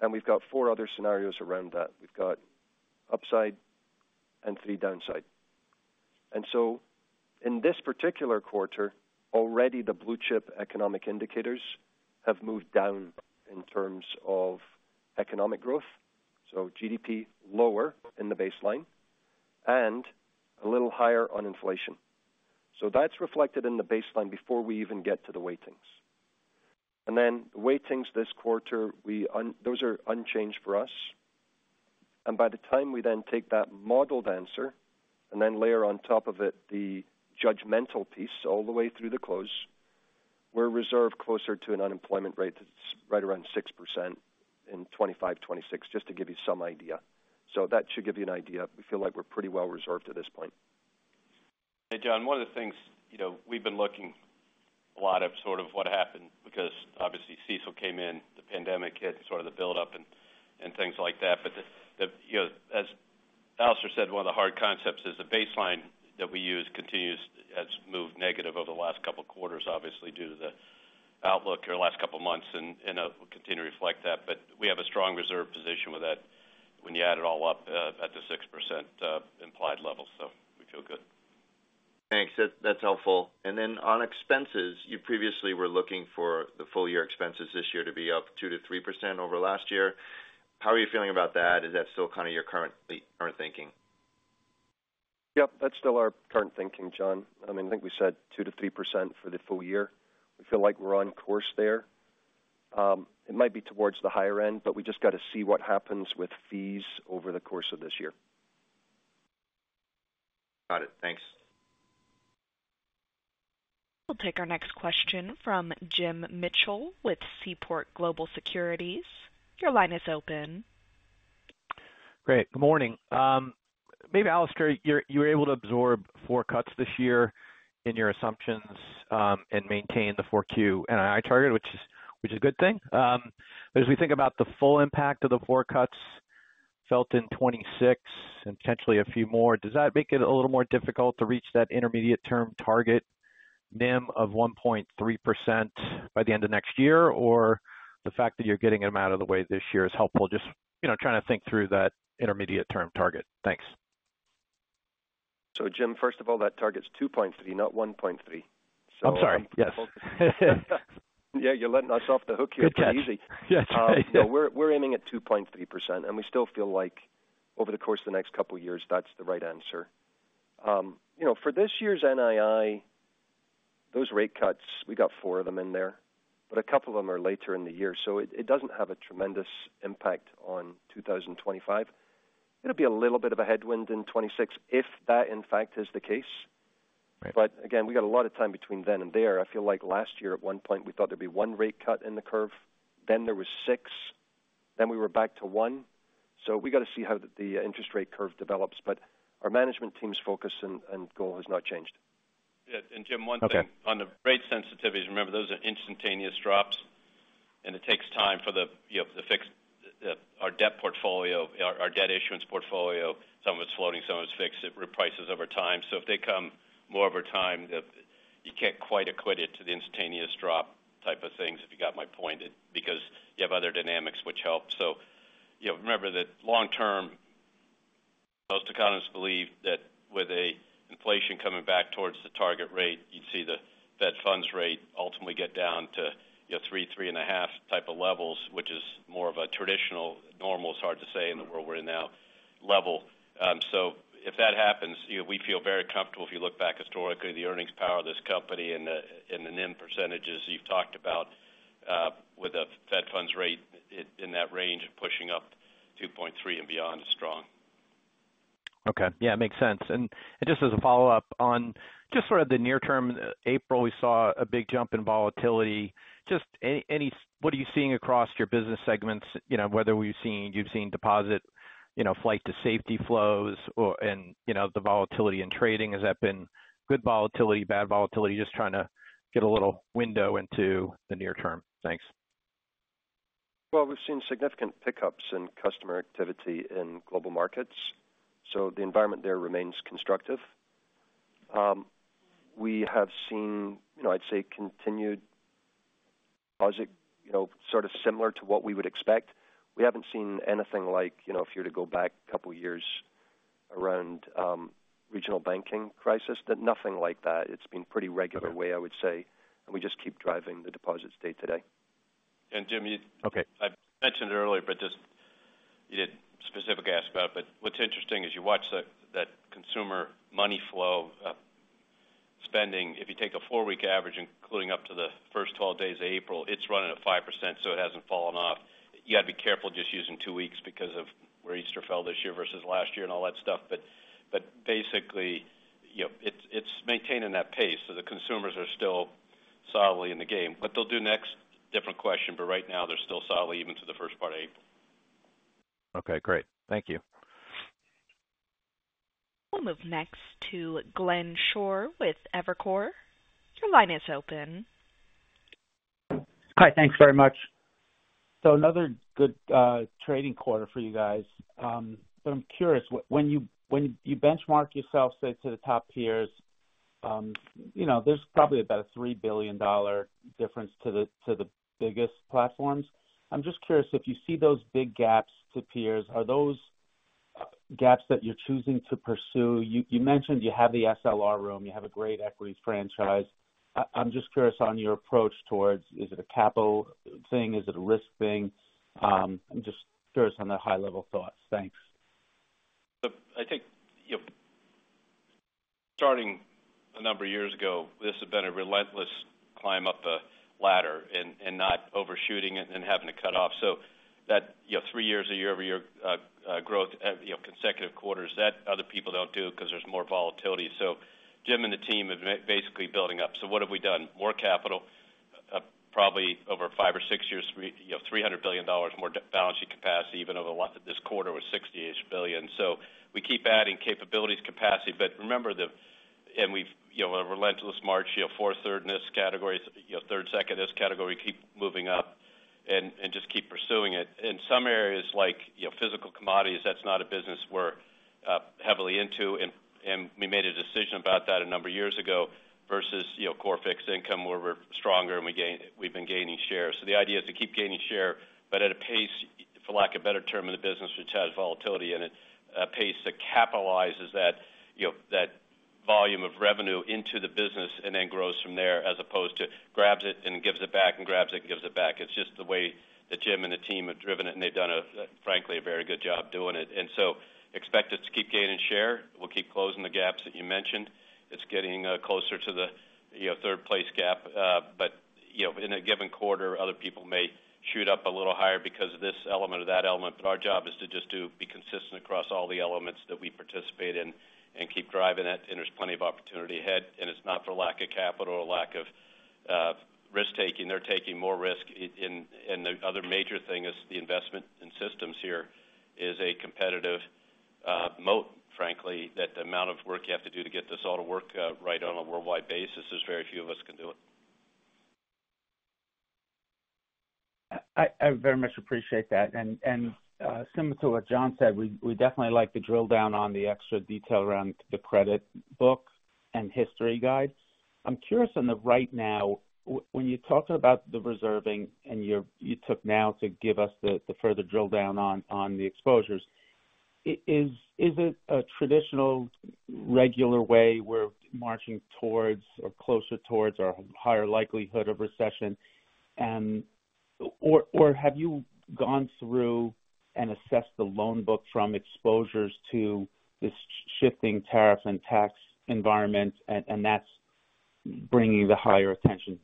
and we've got four other scenarios around that. We've got upside and three downside. In this particular quarter, already the blue chip economic indicators have moved down in terms of economic growth, so GDP lower in the baseline and a little higher on inflation. That is reflected in the baseline before we even get to the weightings. The weightings this quarter are unchanged for us. By the time we then take that modeled answer and then layer on top of it the judgmental piece all the way through the close, we are reserved closer to an unemployment rate that is right around 6% in 2025, 2026, just to give you some idea. That should give you an idea. We feel like we are pretty well reserved at this point. Hey, John, one of the things we've been looking a lot at sort of what happened because, obviously, CECL came in, the pandemic hit, sort of the build-up and things like that. As Alastair said, one of the hard concepts is the baseline that we use continues has moved negative over the last couple of quarters, obviously, due to the outlook here last couple of months and continue to reflect that. We have a strong reserve position with that when you add it all up at the 6% implied level. We feel good. Thanks. That's helpful. On expenses, you previously were looking for the full-year expenses this year to be up 2-3% over last year. How are you feeling about that? Is that still kind of your current thinking? Yep, that's still our current thinking, John. I mean, I think we said 2%-3% for the full year. We feel like we're on course there. It might be towards the higher end, but we just got to see what happens with fees over the course of this year. Got it. Thanks. We'll take our next question from Jim Mitchell with Seaport Global Securities. Your line is open. Great. Good morning. Maybe, Alastair, you were able to absorb four cuts this year in your assumptions and maintain the 4Q NII target, which is a good thing. As we think about the full impact of the four cuts felt in 2026 and potentially a few more, does that make it a little more difficult to reach that intermediate-term target, NIM, of 1.3% by the end of next year, or the fact that you're getting them out of the way this year is helpful? Just trying to think through that intermediate-term target. Thanks. Jim, first of all, that target's 2.3, not 1.3. I'm sorry. Yes. Yeah, you're letting us off the hook here pretty easy. Yes. No, we're aiming at 2.3%, and we still feel like over the course of the next couple of years, that's the right answer. For this year's NII, those rate cuts, we got four of them in there, but a couple of them are later in the year. It does not have a tremendous impact on 2025. It will be a little bit of a headwind in 2026 if that, in fact, is the case. Again, we got a lot of time between then and there. I feel like last year, at one point, we thought there would be one rate cut in the curve. Then there was six. Then we were back to one. We got to see how the interest-rate curve develops. Our management team's focus and goal has not changed. Yeah. Jim, one thing on the rate sensitivities, remember, those are instantaneous drops, and it takes time for the fixed, our debt portfolio, our debt issuance portfolio, some of it's floating, some of it's fixed. It reprices over time. If they come more over time, you can't quite equate it to the instantaneous drop type of things, if you got my point, because you have other dynamics which help. Remember that long-term, most economists believe that with inflation coming back towards the target rate, you'd see the Fed funds rate ultimately get down to 3-3.5 type of levels, which is more of a traditional, normal—it's hard to say in the world we're in now—level. If that happens, we feel very comfortable. If you look back historically, the earnings power of this company and the NIM percentages you've talked about with a Fed funds rate in that range of pushing up 2.3 and beyond is strong. Okay. Yeah, it makes sense. Just as a follow-up on just sort of the near term, April, we saw a big jump in volatility. Just what are you seeing across your business segments, whether you've seen deposit, flight-to-safety flows, and the volatility in trading? Has that been good volatility, bad volatility? Just trying to get a little window into the near term. Thanks. We've seen significant pickups in customer activity in Global Markets. The environment there remains constructive. We have seen, I'd say, continued deposit sort of similar to what we would expect. We haven't seen anything like if you were to go back a couple of years around regional banking crisis, nothing like that. It's been pretty regular way, I would say. We just keep driving the deposits day-to-day. Jim, I mentioned it earlier, but just you didn't specifically ask about it. What's interesting is you watch that consumer money flow spending. If you take a four-week average, including up to the first 12 days of April, it's running at 5%, so it hasn't fallen off. You got to be careful just using two weeks because of where Easter fell this year versus last year and all that stuff. Basically, it's maintaining that pace. The consumers are still solidly in the game. What they'll do next is a different question, but right now, they're still solidly even through the first part of April. Okay. Great. Thank you. We'll move next to Glenn Schorr with Evercore. Your line is open. Hi. Thanks very much. Another good trading quarter for you guys. I'm curious, when you benchmark yourself, say, to the top peers, there's probably about a $3 billion difference to the biggest platforms. I'm just curious, if you see those big gaps to peers, are those gaps that you're choosing to pursue? You mentioned you have the SLR room. You have a great equity franchise. I'm just curious on your approach towards, is it a capital thing? Is it a risk thing? I'm just curious on the high-level thoughts. Thanks. I think starting a number of years ago, this had been a relentless climb up the ladder and not overshooting it and having to cut off. That three years a year-over-year growth, consecutive quarters, that other people do not do because there's more volatility. Jim and the team have basically built it up. What have we done? More capital, probably over five or six years, $300 billion more balance sheet capacity, even though this quarter was $68 billion. We keep adding capabilities, capacity. Remember, and we've a relentless march here, four-thirdness categories, third-secondness category, keep moving up and just keep pursuing it. In some areas like physical commodities, that's not a business we're heavily into. We made a decision about that a number of years ago versus core fixed income where we're stronger and we've been gaining shares. The idea is to keep gaining share, but at a pace, for lack of a better term, in the business which has volatility in it, a pace that capitalizes that volume of revenue into the business and then grows from there as opposed to grabs it and gives it back and grabs it and gives it back. It is just the way that Jim and the team have driven it, and they have done, frankly, a very good job doing it. Expect us to keep gaining share. We will keep closing the gaps that you mentioned. It is getting closer to the third-place gap. In a given quarter, other people may shoot up a little higher because of this element or that element. Our job is to just be consistent across all the elements that we participate in and keep driving it. There is plenty of opportunity ahead. It is not for lack of capital or lack of risk-taking. They're taking more risk. The other major thing is the investment in systems here is a competitive moat, frankly, that the amount of work you have to do to get this all to work right on a worldwide basis is very few of us can do it. I very much appreciate that. Similar to what John said, we definitely like to drill down on the extra detail around the credit book and history guide. I'm curious, right now, when you talk about the reserving and you took now to give us the further drill down on the exposures, is it a traditional regular way we're marching towards or closer towards our higher likelihood of recession? Have you gone through and assessed the loan book from exposures to this shifting tariff and tax environment, and that's bringing the higher attention?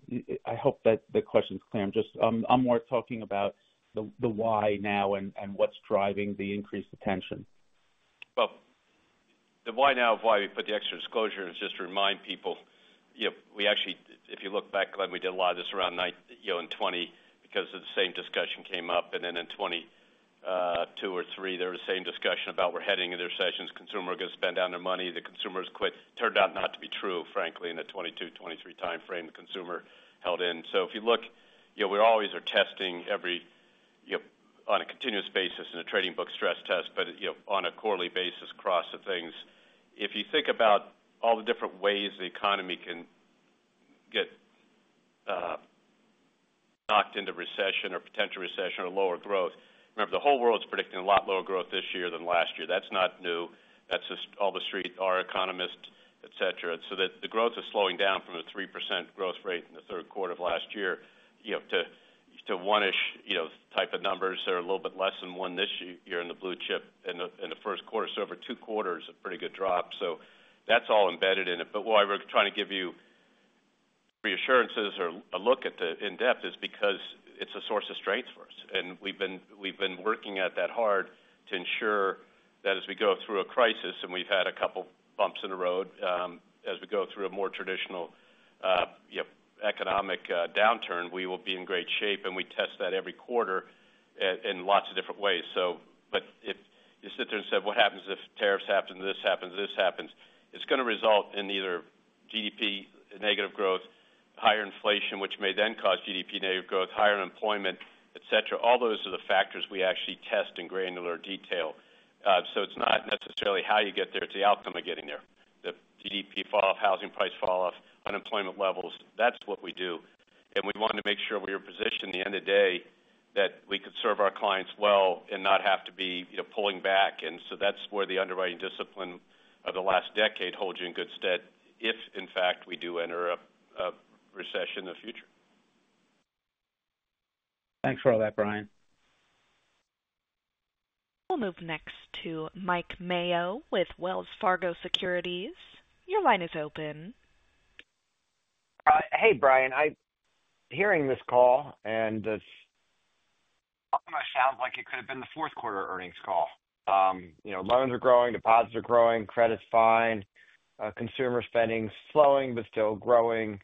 I hope that the question's clear. I'm more talking about the why now and what's driving the increased attention. The why now of why we put the extra disclosure is just to remind people. If you look back, we did a lot of this around 2020 because the same discussion came up. In 2022 or 2023, there was the same discussion about we're heading into recessions. Consumers are going to spend down their money. The consumers quit. Turned out not to be true, frankly, in the 2022, 2023 timeframe. The consumer held in. If you look, we always are testing every on a continuous basis in a trading book stress test, but on a quarterly basis across the things. If you think about all the different ways the economy can get knocked into recession or potential recession or lower growth, remember, the whole world's predicting a lot lower growth this year than last year. That's not new. That's just all the street, our economists, etc. The growth is slowing down from a 3% growth rate in the third quarter of last year to one-ish type of numbers. They're a little bit less than one this year in the blue chip in the first quarter. Over two quarters, a pretty good drop. That's all embedded in it. Why we're trying to give you reassurances or a look at the in-depth is because it's a source of strength for us. We have been working at that hard to ensure that as we go through a crisis, and we have had a couple of bumps in the road, as we go through a more traditional economic downturn, we will be in great shape. We test that every quarter in lots of different ways. You sit there and say, "What happens if tariffs happen? This happens. This happens." It is going to result in either GDP negative growth, higher inflation, which may then cause GDP negative growth, higher unemployment, etc. All those are the factors we actually test in granular detail. It is not necessarily how you get there. It is the outcome of getting there: the GDP falloff, housing price falloff, unemployment levels. That is what we do. We wanted to make sure we were positioned at the end of the day that we could serve our clients well and not have to be pulling back. That is where the underwriting discipline of the last decade holds you in good stead if, in fact, we do enter a recession in the future. Thanks for all that, Brian. We'll move next to Mike Mayo with Wells Fargo Securities. Your line is open. Hi, Brian. Hearing this call, it almost sounds like it could have been the fourth quarter earnings call. Loans are growing, deposits are growing, credit's fine, consumer spending's slowing but still growing.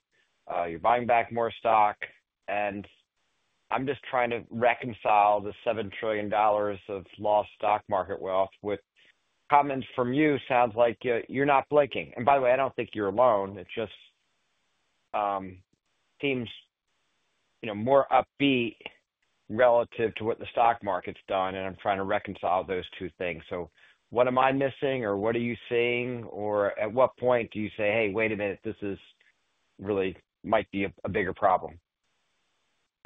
You're buying back more stock. I'm just trying to reconcile the $7 trillion of lost stock market wealth with comments from you. Sounds like you're not blinking. By the way, I don't think you're alone. It just seems more upbeat relative to what the stock market's done. I'm trying to reconcile those two things. What am I missing or what are you seeing? At what point do you say, "Hey, wait a minute. This really might be a bigger problem"?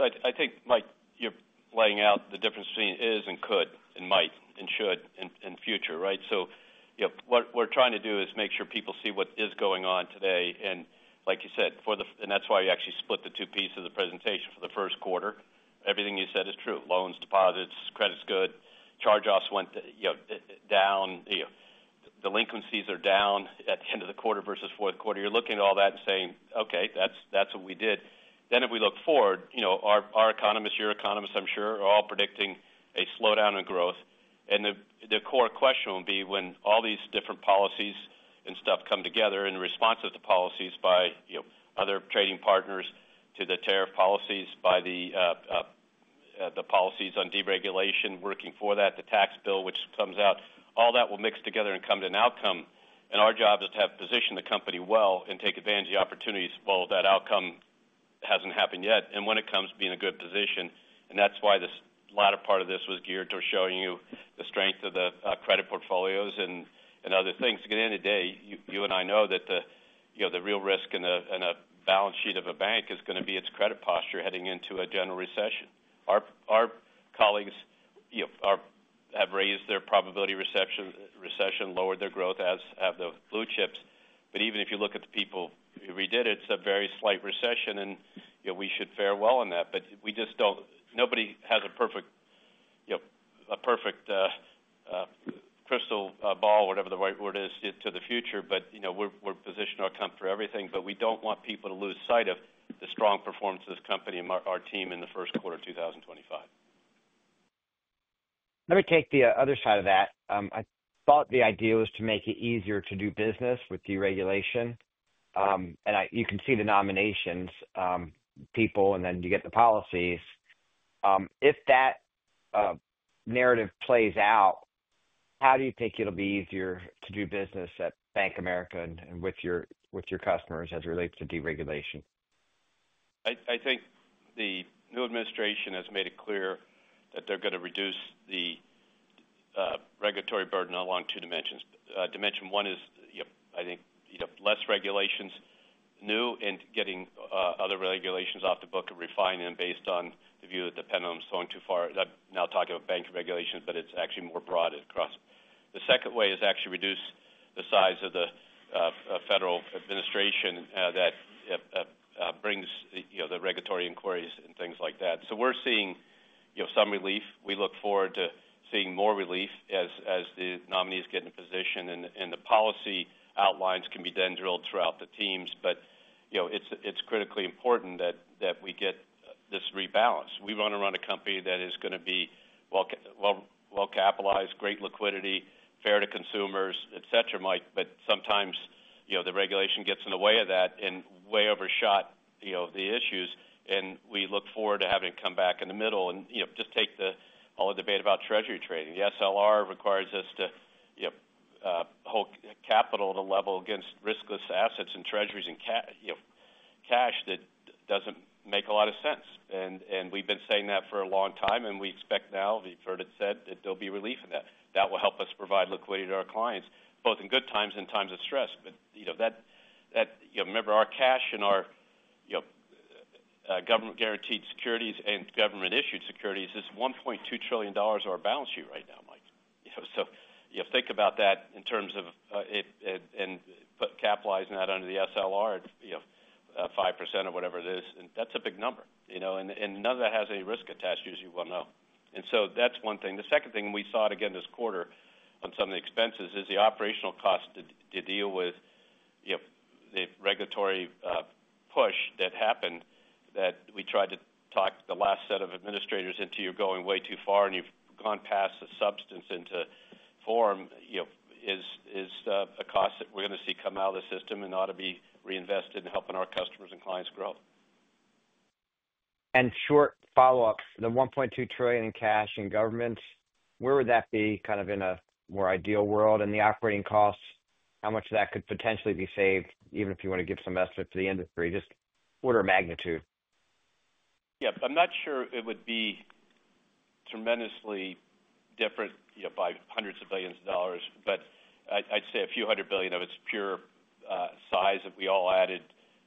I think, Mike, you're laying out the difference between is and could and might and should and future, right? What we're trying to do is make sure people see what is going on today. Like you said, that's why we actually split the two pieces of the presentation for the first quarter. Everything you said is true. Loans, deposits, credit's good. Charge-offs went down. Delinquencies are down at the end of the quarter versus fourth quarter. You're looking at all that and saying, "Okay, that's what we did." If we look forward, our economists, your economists, I'm sure, are all predicting a slowdown in growth. The core question will be when all these different policies and stuff come together in response to the policies by other trading partners to the tariff policies, by the policies on deregulation working for that, the tax bill which comes out, all that will mix together and come to an outcome. Our job is to have positioned the company well and take advantage of the opportunities while that outcome hasn't happened yet and when it comes to being a good position. That is why this latter part of this was geared towards showing you the strength of the credit portfolios and other things. At the end of the day, you and I know that the real risk in a balance sheet of a bank is going to be its credit posture heading into a general recession. Our colleagues have raised their probability recession, lowered their growth, have the blue chips. Even if you look at the people who redid it, it is a very slight recession. We should fare well in that. Nobody has a perfect crystal ball, whatever the right word is, to the future. We are positioned to our comfort for everything. We do not want people to lose sight of the strong performance of this company and our team in the first quarter of 2025. Let me take the other side of that. I thought the idea was to make it easier to do business with deregulation. You can see the nominations, people, and then you get the policies. If that narrative plays out, how do you think it'll be easier to do business at Bank of America and with your customers as it relates to deregulation? I think the new administration has made it clear that they're going to reduce the regulatory burden along two dimensions. Dimension one is, I think, less regulations new and getting other regulations off the book and refining them based on the view that the penultimate's going too far. I'm now talking about bank regulations, but it's actually more broad across. The second way is actually reduce the size of the federal administration that brings the regulatory inquiries and things like that. We're seeing some relief. We look forward to seeing more relief as the nominees get into position. The policy outlines can be then drilled throughout the teams. It is critically important that we get this rebalance. We want to run a company that is going to be well-capitalized, great liquidity, fair to consumers, etc., Mike. Sometimes the regulation gets in the way of that and way overshot the issues. We look forward to having it come back in the middle. Just take all the debate about treasury trading. The SLR requires us to hold capital at a level against riskless assets and treasuries and cash that does not make a lot of sense. We have been saying that for a long time. We expect now, we have heard it said, that there will be relief in that. That will help us provide liquidity to our clients, both in good times and times of stress. Remember, our cash and our government-guaranteed securities and government-issued securities is $1.2 trillion of our balance sheet right now, Mike. Think about that in terms of capitalizing that under the SLR at 5% or whatever it is. That is a big number. None of that has any risk attached, as you well know. That is one thing. The second thing we saw, again, this quarter on some of the expenses is the operational cost to deal with the regulatory push that happened that we tried to talk the last set of administrators into you going way too far. You have gone past the substance into form. It is a cost that we are going to see come out of the system and ought to be reinvested in helping our customers and clients grow. Short follow-up, the $1.2 trillion in cash in government, where would that be kind of in a more ideal world? The operating costs, how much of that could potentially be saved, even if you want to give some estimate for the industry, just order of magnitude? Yeah. I'm not sure it would be tremendously different by hundreds of billions of dollars. I'd say a few hundred billion of its pure size that we all added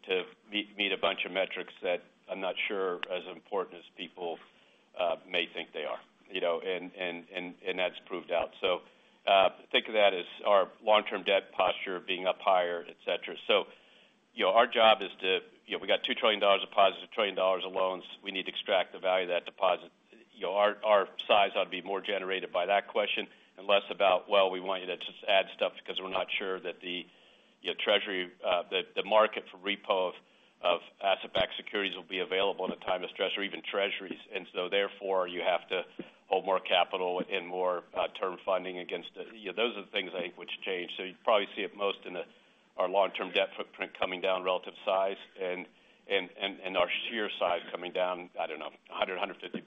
to meet a bunch of metrics that I'm not sure are as important as people may think they are. That's proved out. Think of that as our long-term debt posture being up higher, etc. Our job is to we got $2 trillion deposits, $1 trillion of loans. We need to extract the value of that deposit. Our size ought to be more generated by that question and less about, "Well, we want you to just add stuff because we're not sure that the market for repo of asset-backed securities will be available in a time of stress or even treasuries." Therefore, you have to hold more capital and more term funding against those are the things I think which change. You probably see it most in our long-term debt footprint coming down, relative size, and our sheer size coming down, I don't know, $100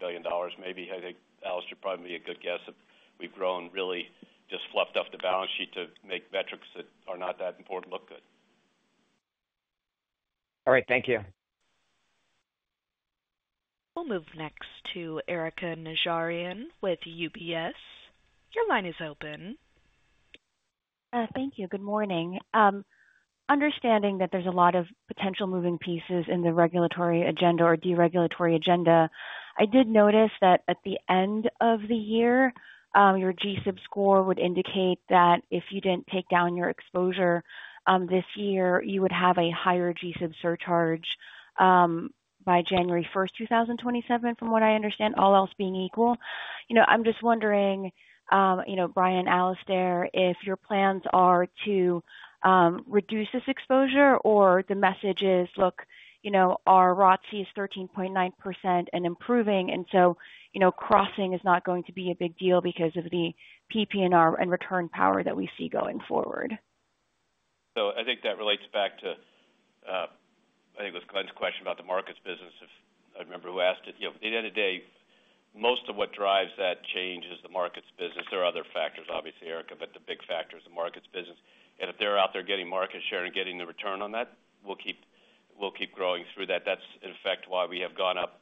billion, $150 billion maybe. I think Alice should probably be a good guess if we've grown really just fluffed up the balance sheet to make metrics that are not that important look good. All right. Thank you. We'll move next to Erika Najarian with UBS. Your line is open. Thank you. Good morning. Understanding that there's a lot of potential moving pieces in the regulatory agenda or deregulatory agenda, I did notice that at the end of the year, your GSIB score would indicate that if you didn't take down your exposure this year, you would have a higher GSIB surcharge by January 1st, 2027, from what I understand, all else being equal. I'm just wondering, Brian, Alastair, if your plans are to reduce this exposure or the message is, "Look, our ROTCE is 13.9% and improving. And so crossing is not going to be a big deal because of the PPNR and return power that we see going forward." I think that relates back to, I think, was Glenn's question about the markets business. I remember who asked it. At the end of the day, most of what drives that change is the markets business. There are other factors, obviously, Erica, but the big factor is the market's business. If they're out there getting market share and getting the return on that, we'll keep growing through that. That's, in effect, why we have gone up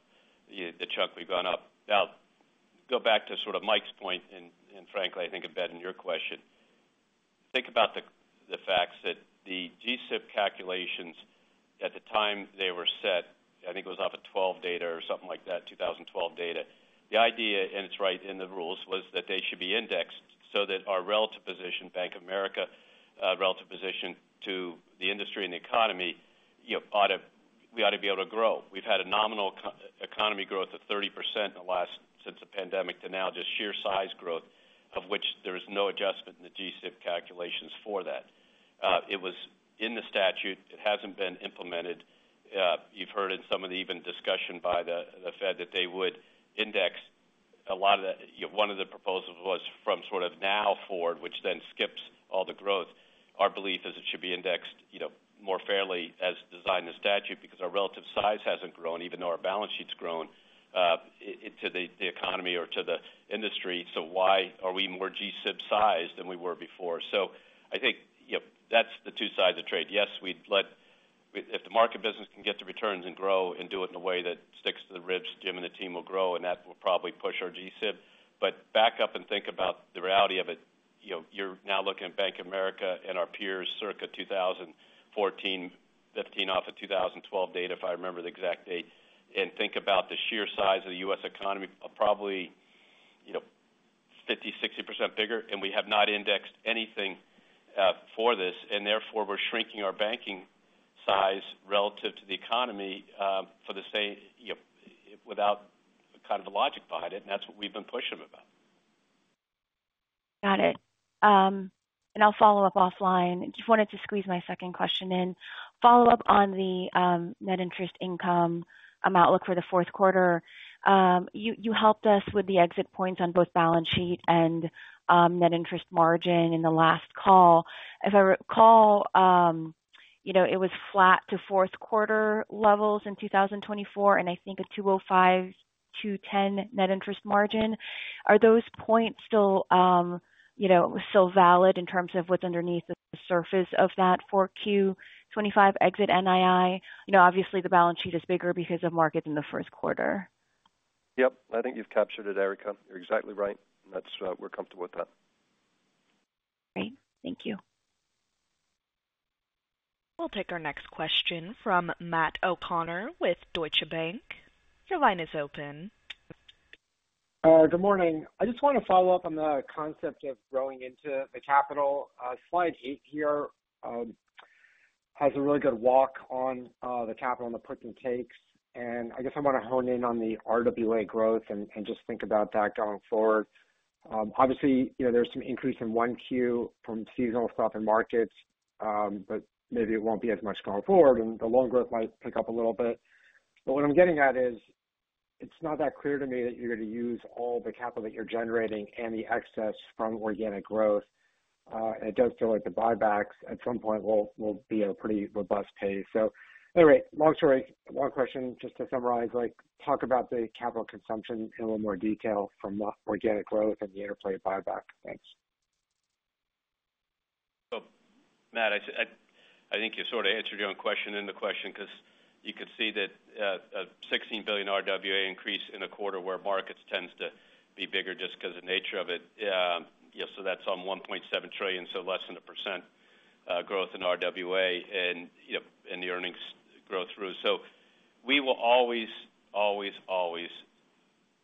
the chunk we've gone up. Now, go back to sort of Mike's point. Frankly, I think it better than your question. Think about the facts that the GSIB calculations at the time they were set, I think it was off of 2012 data or something like that, 2012 data. The idea, and it's right in the rules, was that they should be indexed so that our relative position, Bank of America relative position to the industry and the economy, we ought to be able to grow. We've had a nominal economy growth of 30% in the last since the pandemic to now, just sheer size growth, of which there is no adjustment in the GSIB calculations for that. It was in the statute. It hasn't been implemented. You've heard in some of the even discussion by the Fed that they would index a lot of that. One of the proposals was from sort of now forward, which then skips all the growth. Our belief is it should be indexed more fairly as designed in the statute because our relative size hasn't grown, even though our balance sheet's grown to the economy or to the industry. Why are we more GSIB-sized than we were before? I think that's the two sides of the trade. Yes, if the market business can get the returns and grow and do it in a way that sticks to the ribs, Jim and the team will grow. That will probably push our GSIB. Back up and think about the reality of it. You're now looking at Bank of America and our peers circa 2014, 2015 off of 2012 data, if I remember the exact date. Think about the sheer size of the U.S. economy, probably 50%-60% bigger. We have not indexed anything for this. Therefore, we're shrinking our banking size relative to the economy without kind of a logic behind it. That's what we've been pushing about. Got it. I'll follow up offline. Just wanted to squeeze my second question in. Follow up on the net interest income outlook for the fourth quarter. You helped us with the exit points on both balance sheet and net interest margin in the last call. If I recall, it was flat to fourth quarter levels in 2024 and I think a 2.05%-2.10% net interest margin. Are those points still valid in terms of what's underneath the surface of that 4Q 2025 exit NII? Obviously, the balance sheet is bigger because of markets in the first quarter. Yep. I think you've captured it, Erica. You're exactly right. And we're comfortable with that. Great. Thank you. We'll take our next question from Matt O'Connor with Deutsche Bank. Your line is open. Good morning. I just want to follow up on the concept of growing into the capital. Slide 8 here has a really good walk on the capital and the puts and takes. I guess I want to hone in on the RWA growth and just think about that going forward. Obviously, there's some increase in Q1 from seasonal stuff and markets, but maybe it won't be as much going forward. The loan growth might pick up a little bit. What I'm getting at is it's not that clear to me that you're going to use all the capital that you're generating and the excess from organic growth. It does feel like the buybacks at some point will be a pretty robust pay. Anyway, long story, long question. Just to summarize, talk about the capital consumption in a little more detail from organic growth and the interplay of buyback. Thanks. Matt, I think you sort of answered your own question in the question because you could see that a $16 billion RWA increase in a quarter where markets tends to be bigger just because of the nature of it. That is on $1.7 trillion, so less than a percent growth in RWA and the earnings growth through. We will always, always, always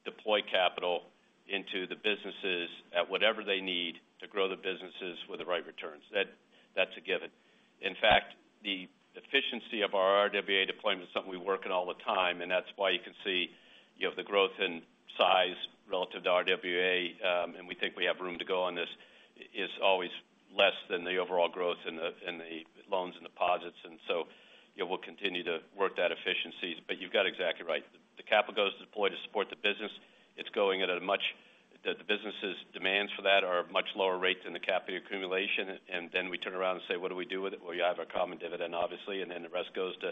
deploy capital into the businesses at whatever they need to grow the businesses with the right returns. That is a given. In fact, the efficiency of our RWA deployment is something we work on all the time. That is why you can see the growth in size relative to RWA. We think we have room to go on this as it is always less than the overall growth in the loans and deposits. We will continue to work that efficiency. You have got it exactly right. The capital goes deployed to support the business. It's going at a much the business's demands for that are a much lower rate than the capital accumulation. We turn around and say, "What do we do with it?" You have a common dividend, obviously. The rest goes to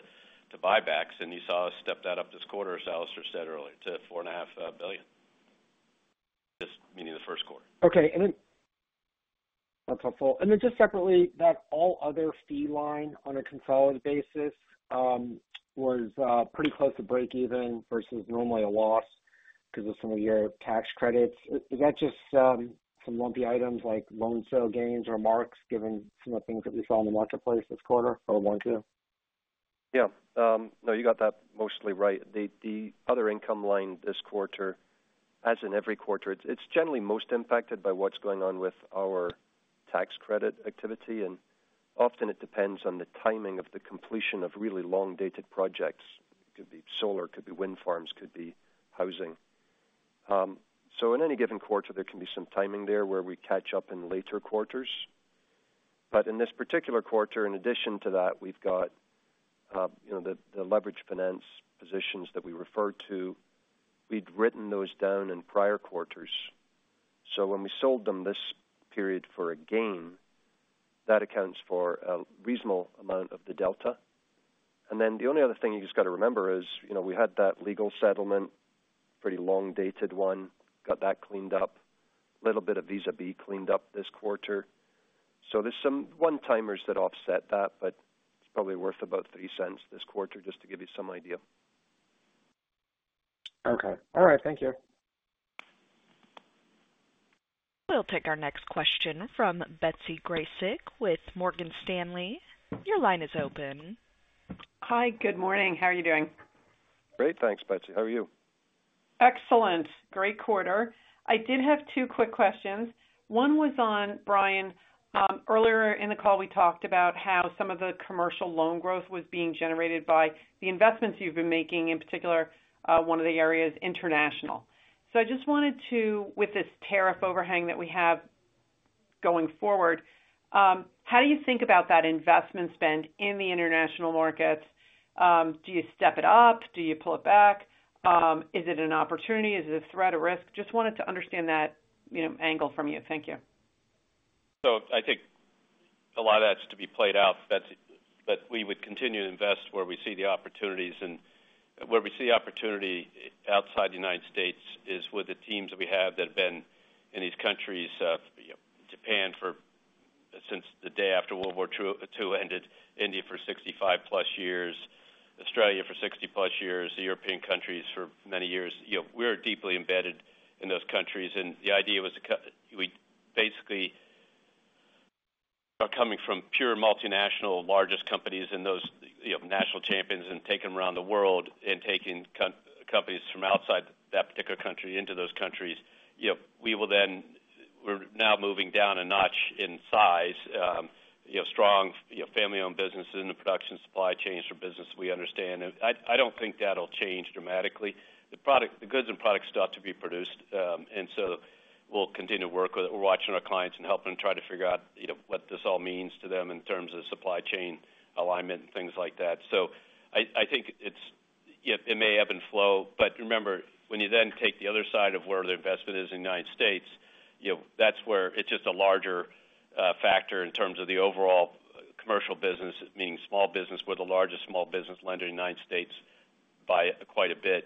buybacks. You saw us step that up this quarter, as Alastair said earlier, to $4.5 billion. Just meaning the first quarter. Okay. That's helpful. Just separately, that all-other fee line on a consolidated basis was pretty close to break-even versus normally a loss because of some of your tax credits. Is that just some lumpy items like loan sale gains or marks given some of the things that we saw in the marketplace this quarter or one too? Yeah. No, you got that mostly right. The other income line this quarter, as in every quarter, is generally most impacted by what's going on with our tax credit activity. Often, it depends on the timing of the completion of really long-dated projects. It could be solar, could be wind farms, could be housing. In any given quarter, there can be some timing there where we catch up in later quarters. In this particular quarter, in addition to that, we've got the leverage finance positions that we refer to. We'd written those down in prior quarters. When we sold them this period for a gain, that accounts for a reasonable amount of the delta. The only other thing you just got to remember is we had that legal settlement, pretty long-dated one, got that cleaned up, a little bit of vis-à-vis cleaned up this quarter. There's some one-timers that offset that, but it's probably worth about $0.03 this quarter just to give you some idea. Okay. All right. Thank you. We'll take our next question from Betsy Graseck with Morgan Stanley. Your line is open. Hi. Good morning. How are you doing? Great. Thanks, Betsy. How are you? Excellent. Great quarter. I did have two quick questions. One was on, Brian, earlier in the call, we talked about how some of the commercial loan growth was being generated by the investments you've been making, in particular, one of the areas, international. I just wanted to, with this tariff overhang that we have going forward, how do you think about that investment spend in the international markets? Do you step it up? Do you pull it back? Is it an opportunity? Is it a threat, a risk? Just wanted to understand that angle from you. Thank you. I think a lot of that's to be played out. We would continue to invest where we see the opportunities. Where we see the opportunity outside the United States is with the teams that we have that have been in these countries, Japan since the day after World War II ended, India for 65-plus years, Australia for 60-plus years, the European countries for many years. We're deeply embedded in those countries. The idea was we basically are coming from pure multinational, largest companies and those national champions and taking them around the world and taking companies from outside that particular country into those countries. We are now moving down a notch in size, strong family-owned businesses in the production supply chains for business we understand. I do not think that'll change dramatically. The goods and products still have to be produced. We'll continue to work with it. We're watching our clients and helping them try to figure out what this all means to them in terms of supply chain alignment and things like that. I think it may ebb and flow. Remember, when you then take the other side of where the investment is in the United States, that's where it's just a larger factor in terms of the overall commercial business, meaning small business. We're the largest small business lender in the United States by quite a bit.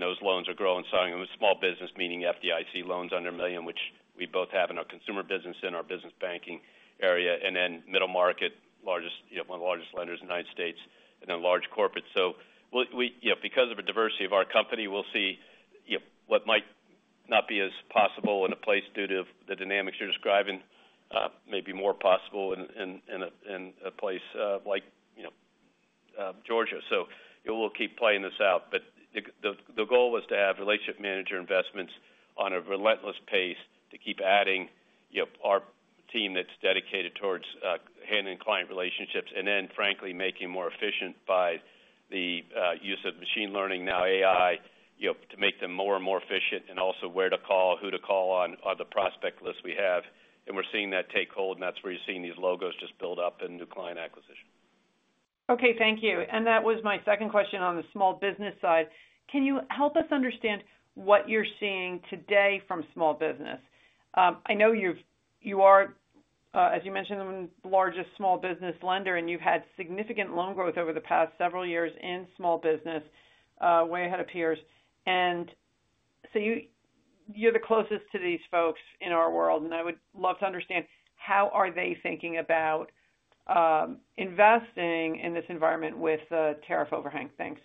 Those loans are growing. Small business, meaning FDIC loans under $1 million, which we both have in our consumer business and our business banking area. Then middle market, one of the largest lenders in the United States, and then large corporate. Because of the diversity of our company, we'll see what might not be as possible in a place due to the dynamics you're describing, maybe more possible in a place like Georgia. We'll keep playing this out. The goal was to have relationship manager investments on a relentless pace to keep adding our team that's dedicated towards handling client relationships and then, frankly, making it more efficient by the use of machine learning, now AI, to make them more and more efficient and also where to call, who to call on, on the prospect list we have. We're seeing that take hold. That's where you're seeing these logos just build up in new client acquisition. Okay. Thank you. That was my second question on the small business side. Can you help us understand what you're seeing today from small business? I know you are, as you mentioned, the largest small business lender, and you've had significant loan growth over the past several years in small business way ahead of peers. You are the closest to these folks in our world. I would love to understand how are they thinking about investing in this environment with the tariff overhang. Thanks.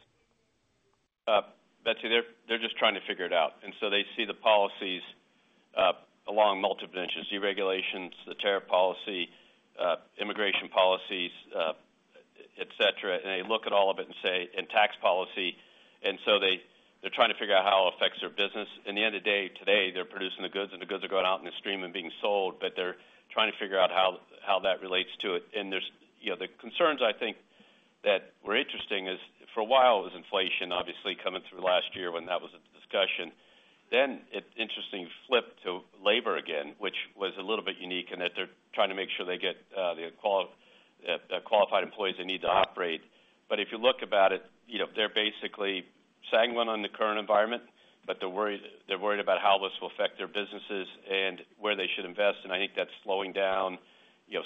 Betsy, they're just trying to figure it out. They see the policies along multiple dimensions: deregulations, the tariff policy, immigration policies, tax policy. They look at all of it and say, they're trying to figure out how it affects their business. In the end of the day today, they're producing the goods, and the goods are going out in the stream and being sold. They're trying to figure out how that relates to it. The concerns, I think, that were interesting is for a while, it was inflation, obviously, coming through last year when that was a discussion. It interestingly flipped to labor again, which was a little bit unique in that they're trying to make sure they get the qualified employees they need to operate. If you look about it, they're basically sanguine on the current environment, but they're worried about how this will affect their businesses and where they should invest. I think that's slowing down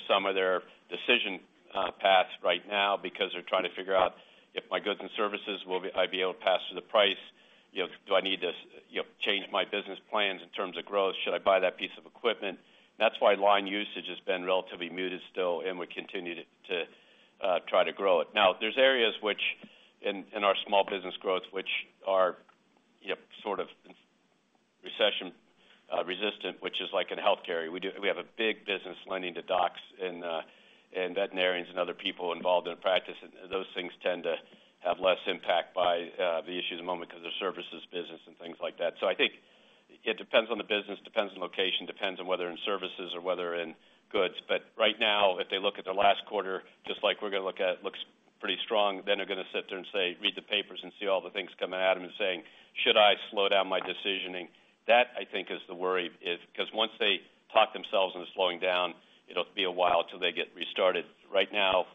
some of their decision paths right now because they're trying to figure out, "If my goods and services, will I be able to pass through the price? Do I need to change my business plans in terms of growth? Should I buy that piece of equipment?" That is why line usage has been relatively muted still and would continue to try to grow it. Now, there are areas in our small business growth which are sort of recession-resistant, which is like in healthcare. We have a big business lending to docs and veterinarians and other people involved in the practice. Those things tend to have less impact by the issues in the moment because of services business and things like that. I think it depends on the business, depends on location, depends on whether in services or whether in goods. Right now, if they look at their last quarter, just like we're going to look at, looks pretty strong, then they're going to sit there and say, "Read the papers and see all the things coming at them and saying, 'Should I slow down my decisioning?'" That, I think, is the worry because once they talk themselves into slowing down, it'll be a while until they get restarted. Right now,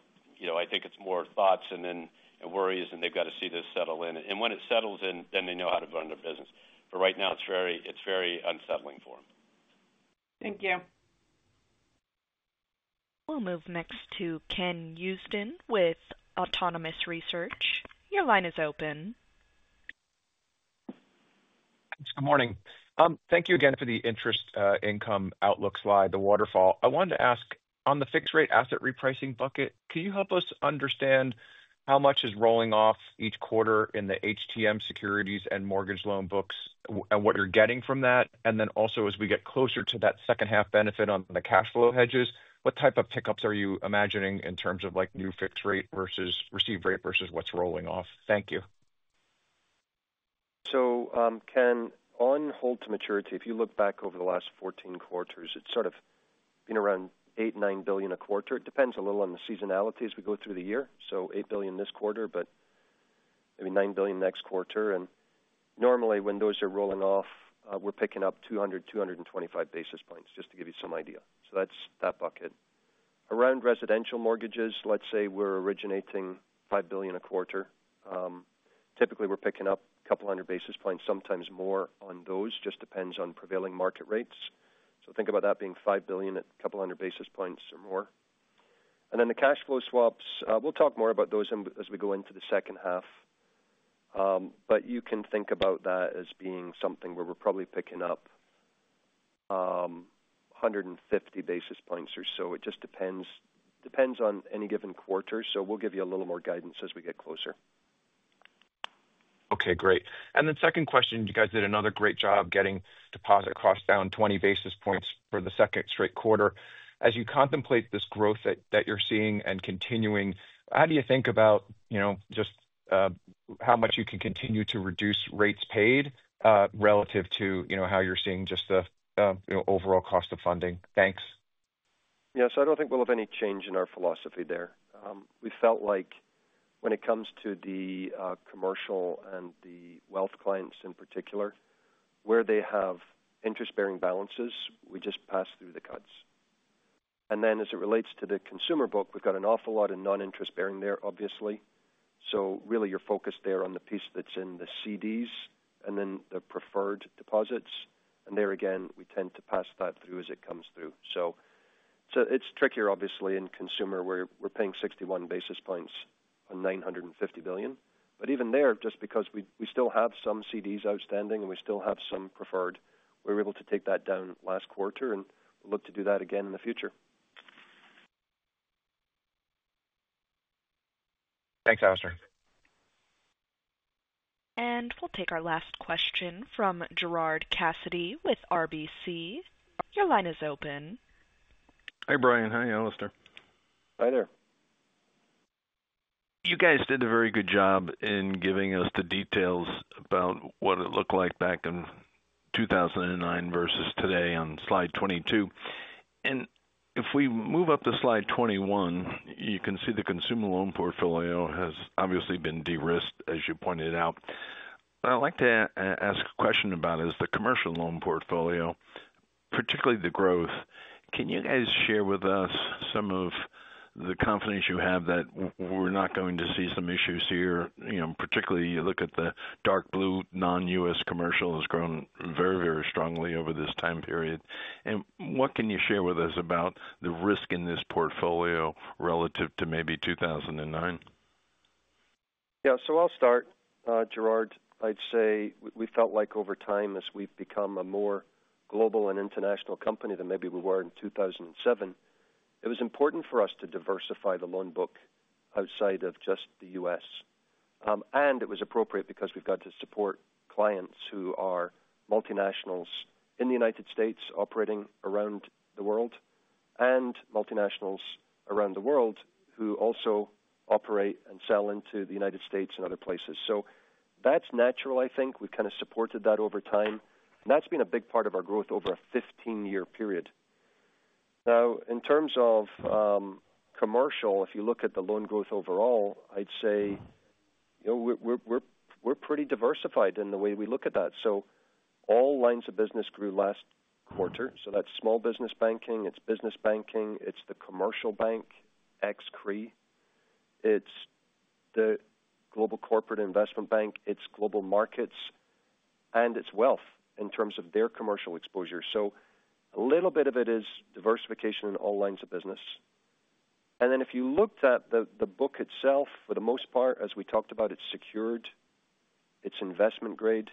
I think it's more thoughts and then worries, and they've got to see this settle in. When it settles in, then they know how to run their business. Right now, it's very unsettling for them. Thank you. We'll move next to Ken Usdin with Autonomous Research. Your line is open. Thanks. Good morning. Thank you again for the interest income outlook slide, the waterfall. I wanted to ask, on the fixed-rate asset repricing bucket, can you help us understand how much is rolling off each quarter in the HTM securities and mortgage loan books and what you're getting from that? Also, as we get closer to that second-half benefit on the cash flow hedges, what type of pickups are you imagining in terms of new fixed rate versus receive rate versus what's rolling off? Thank you. Ken, on hold to maturity, if you look back over the last 14 quarters, it's sort of been around $8 billion-$9 billion a quarter. It depends a little on the seasonality as we go through the year. $8 billion this quarter, but maybe $9 billion next quarter. Normally, when those are rolling off, we're picking up 200-225 basis points just to give you some idea. That's that bucket. Around residential mortgages, let's say we're originating $5 billion a quarter. Typically, we're picking up a couple hundred basis points, sometimes more on those. Just depends on prevailing market rates. Think about that being $5 billion at a couple hundred basis points or more. The cash flow swaps, we'll talk more about those as we go into the second half. You can think about that as being something where we're probably picking up 150 basis points or so. It just depends on any given quarter. We'll give you a little more guidance as we get closer. Okay. Great. Second question, you guys did another great job getting deposit costs down 20 basis points for the second straight quarter. As you contemplate this growth that you're seeing and continuing, how do you think about just how much you can continue to reduce rates paid relative to how you're seeing just the overall cost of funding? Thanks. Yeah. I don't think we'll have any change in our philosophy there. We felt like when it comes to the commercial and the wealth clients in particular, where they have interest-bearing balances, we just pass through the cuts. As it relates to the consumer book, we've got an awful lot of non-interest-bearing there, obviously. Really, you're focused there on the piece that's in the CDs and then the preferred deposits. There again, we tend to pass that through as it comes through. It's trickier, obviously, in consumer where we're paying 61 basis points on $950 billion. Even there, just because we still have some CDs outstanding and we still have some preferred, we were able to take that down last quarter and look to do that again in the future. Thanks, Alastair. We'll take our last question from Gerard Cassidy with RBC. Your line is open. Hi, Brian. Hi, Alastair. Hi there. You guys did a very good job in giving us the details about what it looked like back in 2009 versus today on slide 22. If we move up to slide 21, you can see the consumer loan portfolio has obviously been de-risked, as you pointed out. I'd like to ask a question about the commercial loan portfolio, particularly the growth. Can you guys share with us some of the confidence you have that we're not going to see some issues here? Particularly, you look at the dark blue non-U.S. commercial has grown very, very strongly over this time period. What can you share with us about the risk in this portfolio relative to maybe 2009? Yeah. I'll start, Gerard. I'd say we felt like over time as we've become a more global and international company than maybe we were in 2007, it was important for us to diversify the loan book outside of just the U.S. It was appropriate because we've got to support clients who are multinationals in the United States operating around the world and multinationals around the world who also operate and sell into the United States and other places. That's natural, I think. We've kind of supported that over time. That's been a big part of our growth over a 15-year period. Now, in terms of commercial, if you look at the loan growth overall, I'd say we're pretty diversified in the way we look at that. All lines of business grew last quarter. That's small business banking. It's business banking. It's the commercial bank, ex-CRE. It's the Global Corporate Investment Bank. It's Global Markets. And it's wealth in terms of their commercial exposure. A little bit of it is diversification in all lines of business. If you looked at the book itself, for the most part, as we talked about, it's secured. It's investment-grade.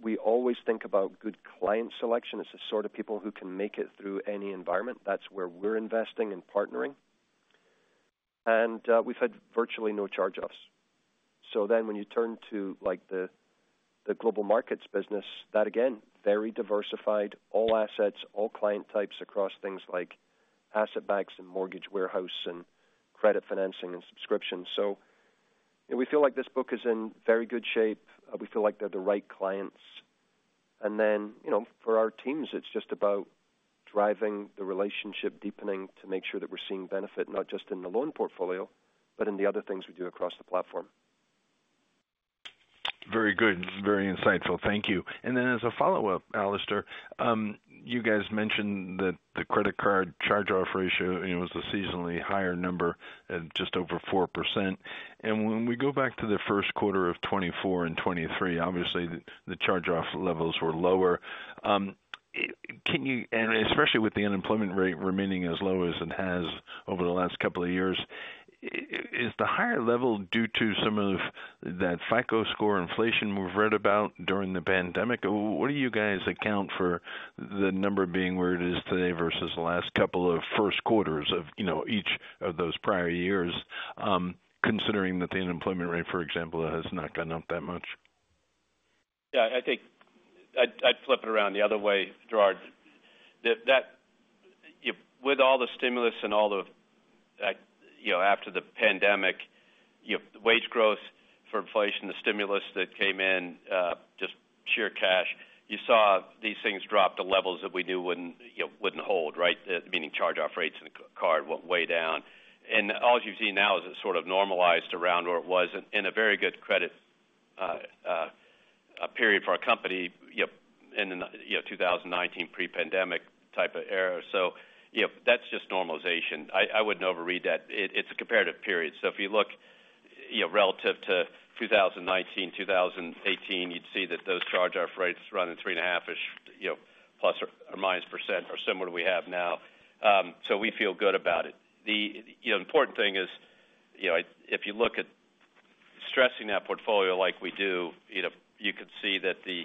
We always think about good client selection. It's the sort of people who can make it through any environment. That's where we're investing and partnering. We've had virtually no charge-offs. When you turn to the Global Markets business, that again, very diversified, all assets, all client types across things like asset banks and mortgage warehouse and credit financing and subscription. We feel like this book is in very good shape. We feel like they're the right clients. For our teams, it's just about driving the relationship deepening to make sure that we're seeing benefit not just in the loan portfolio, but in the other things we do across the platform. Very good. Very insightful. Thank you. As a follow-up, Alastair, you guys mentioned that the credit card charge-off ratio was a seasonally higher number, just over 4%. When we go back to the first quarter of 2024 and 2023, obviously, the charge-off levels were lower. Especially with the unemployment rate remaining as low as it has over the last couple of years, is the higher level due to some of that FICO score inflation we have read about during the pandemic? What do you guys account for the number being where it is today versus the last couple of first quarters of each of those prior years, considering that the unemployment rate, for example, has not gone up that much? Yeah. I would flip it around the other way, Gerard. With all the stimulus and all the after the pandemic, wage growth for inflation, the stimulus that came in, just sheer cash, you saw these things drop to levels that we knew would not hold, right? Meaning charge-off rates in the card went way down. All you've seen now is it sort of normalized around where it was in a very good credit period for our company in the 2019 pre-pandemic type of era. That's just normalization. I wouldn't overread that. It's a comparative period. If you look relative to 2019, 2018, you'd see that those charge-off rates run at 3.5% plus or minus or similar to what we have now. We feel good about it. The important thing is if you look at stressing that portfolio like we do, you could see that the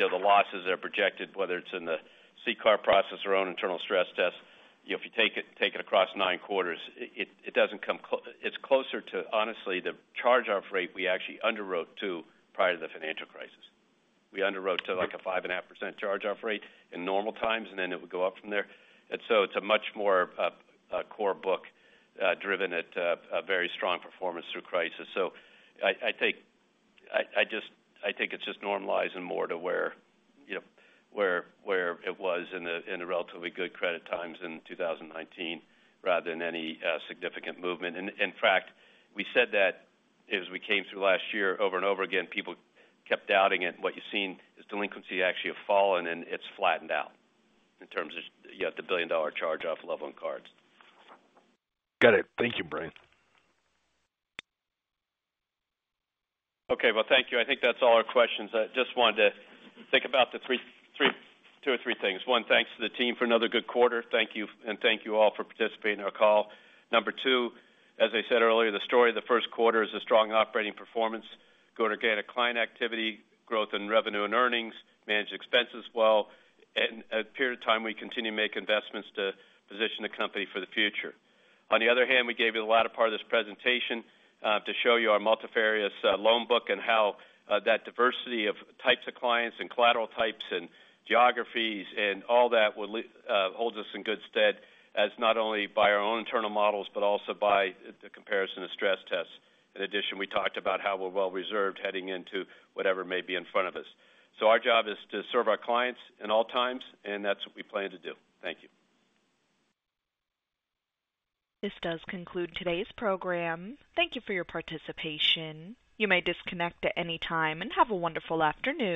losses that are projected, whether it's in the CCAR process or own internal stress test, if you take it across nine quarters, it doesn't come close. It's closer to, honestly, the charge-off rate we actually underwrote to prior to the financial crisis. We underwrote to like a 5.5% charge-off rate in normal times, and then it would go up from there. It is a much more core book driven at very strong performance through crisis. I think it is just normalizing more to where it was in the relatively good credit times in 2019 rather than any significant movement. In fact, we said that as we came through last year over and over again, people kept doubting it. What you have seen is delinquency actually has fallen, and it has flattened out in terms of the billion-dollar charge-off level on cards. Got it. Thank you, Brian. Okay. Thank you. I think that is all our questions. I just wanted to think about two or three things. One, thanks to the team for another good quarter. Thank you. Thank you all for participating in our call. Number two, as I said earlier, the story of the first quarter is a strong operating performance, good organic client activity, growth in revenue and earnings, managed expenses well. At a period of time, we continue to make investments to position the company for the future. On the other hand, we gave you the latter part of this presentation to show you our multifarious loan book and how that diversity of types of clients and collateral types and geographies and all that holds us in good stead as not only by our own internal models, but also by the comparison of stress tests. In addition, we talked about how we're well-reserved heading into whatever may be in front of us. Our job is to serve our clients in all times, and that's what we plan to do. Thank you. This does conclude today's program. Thank you for your participation. You may disconnect at any time and have a wonderful afternoon.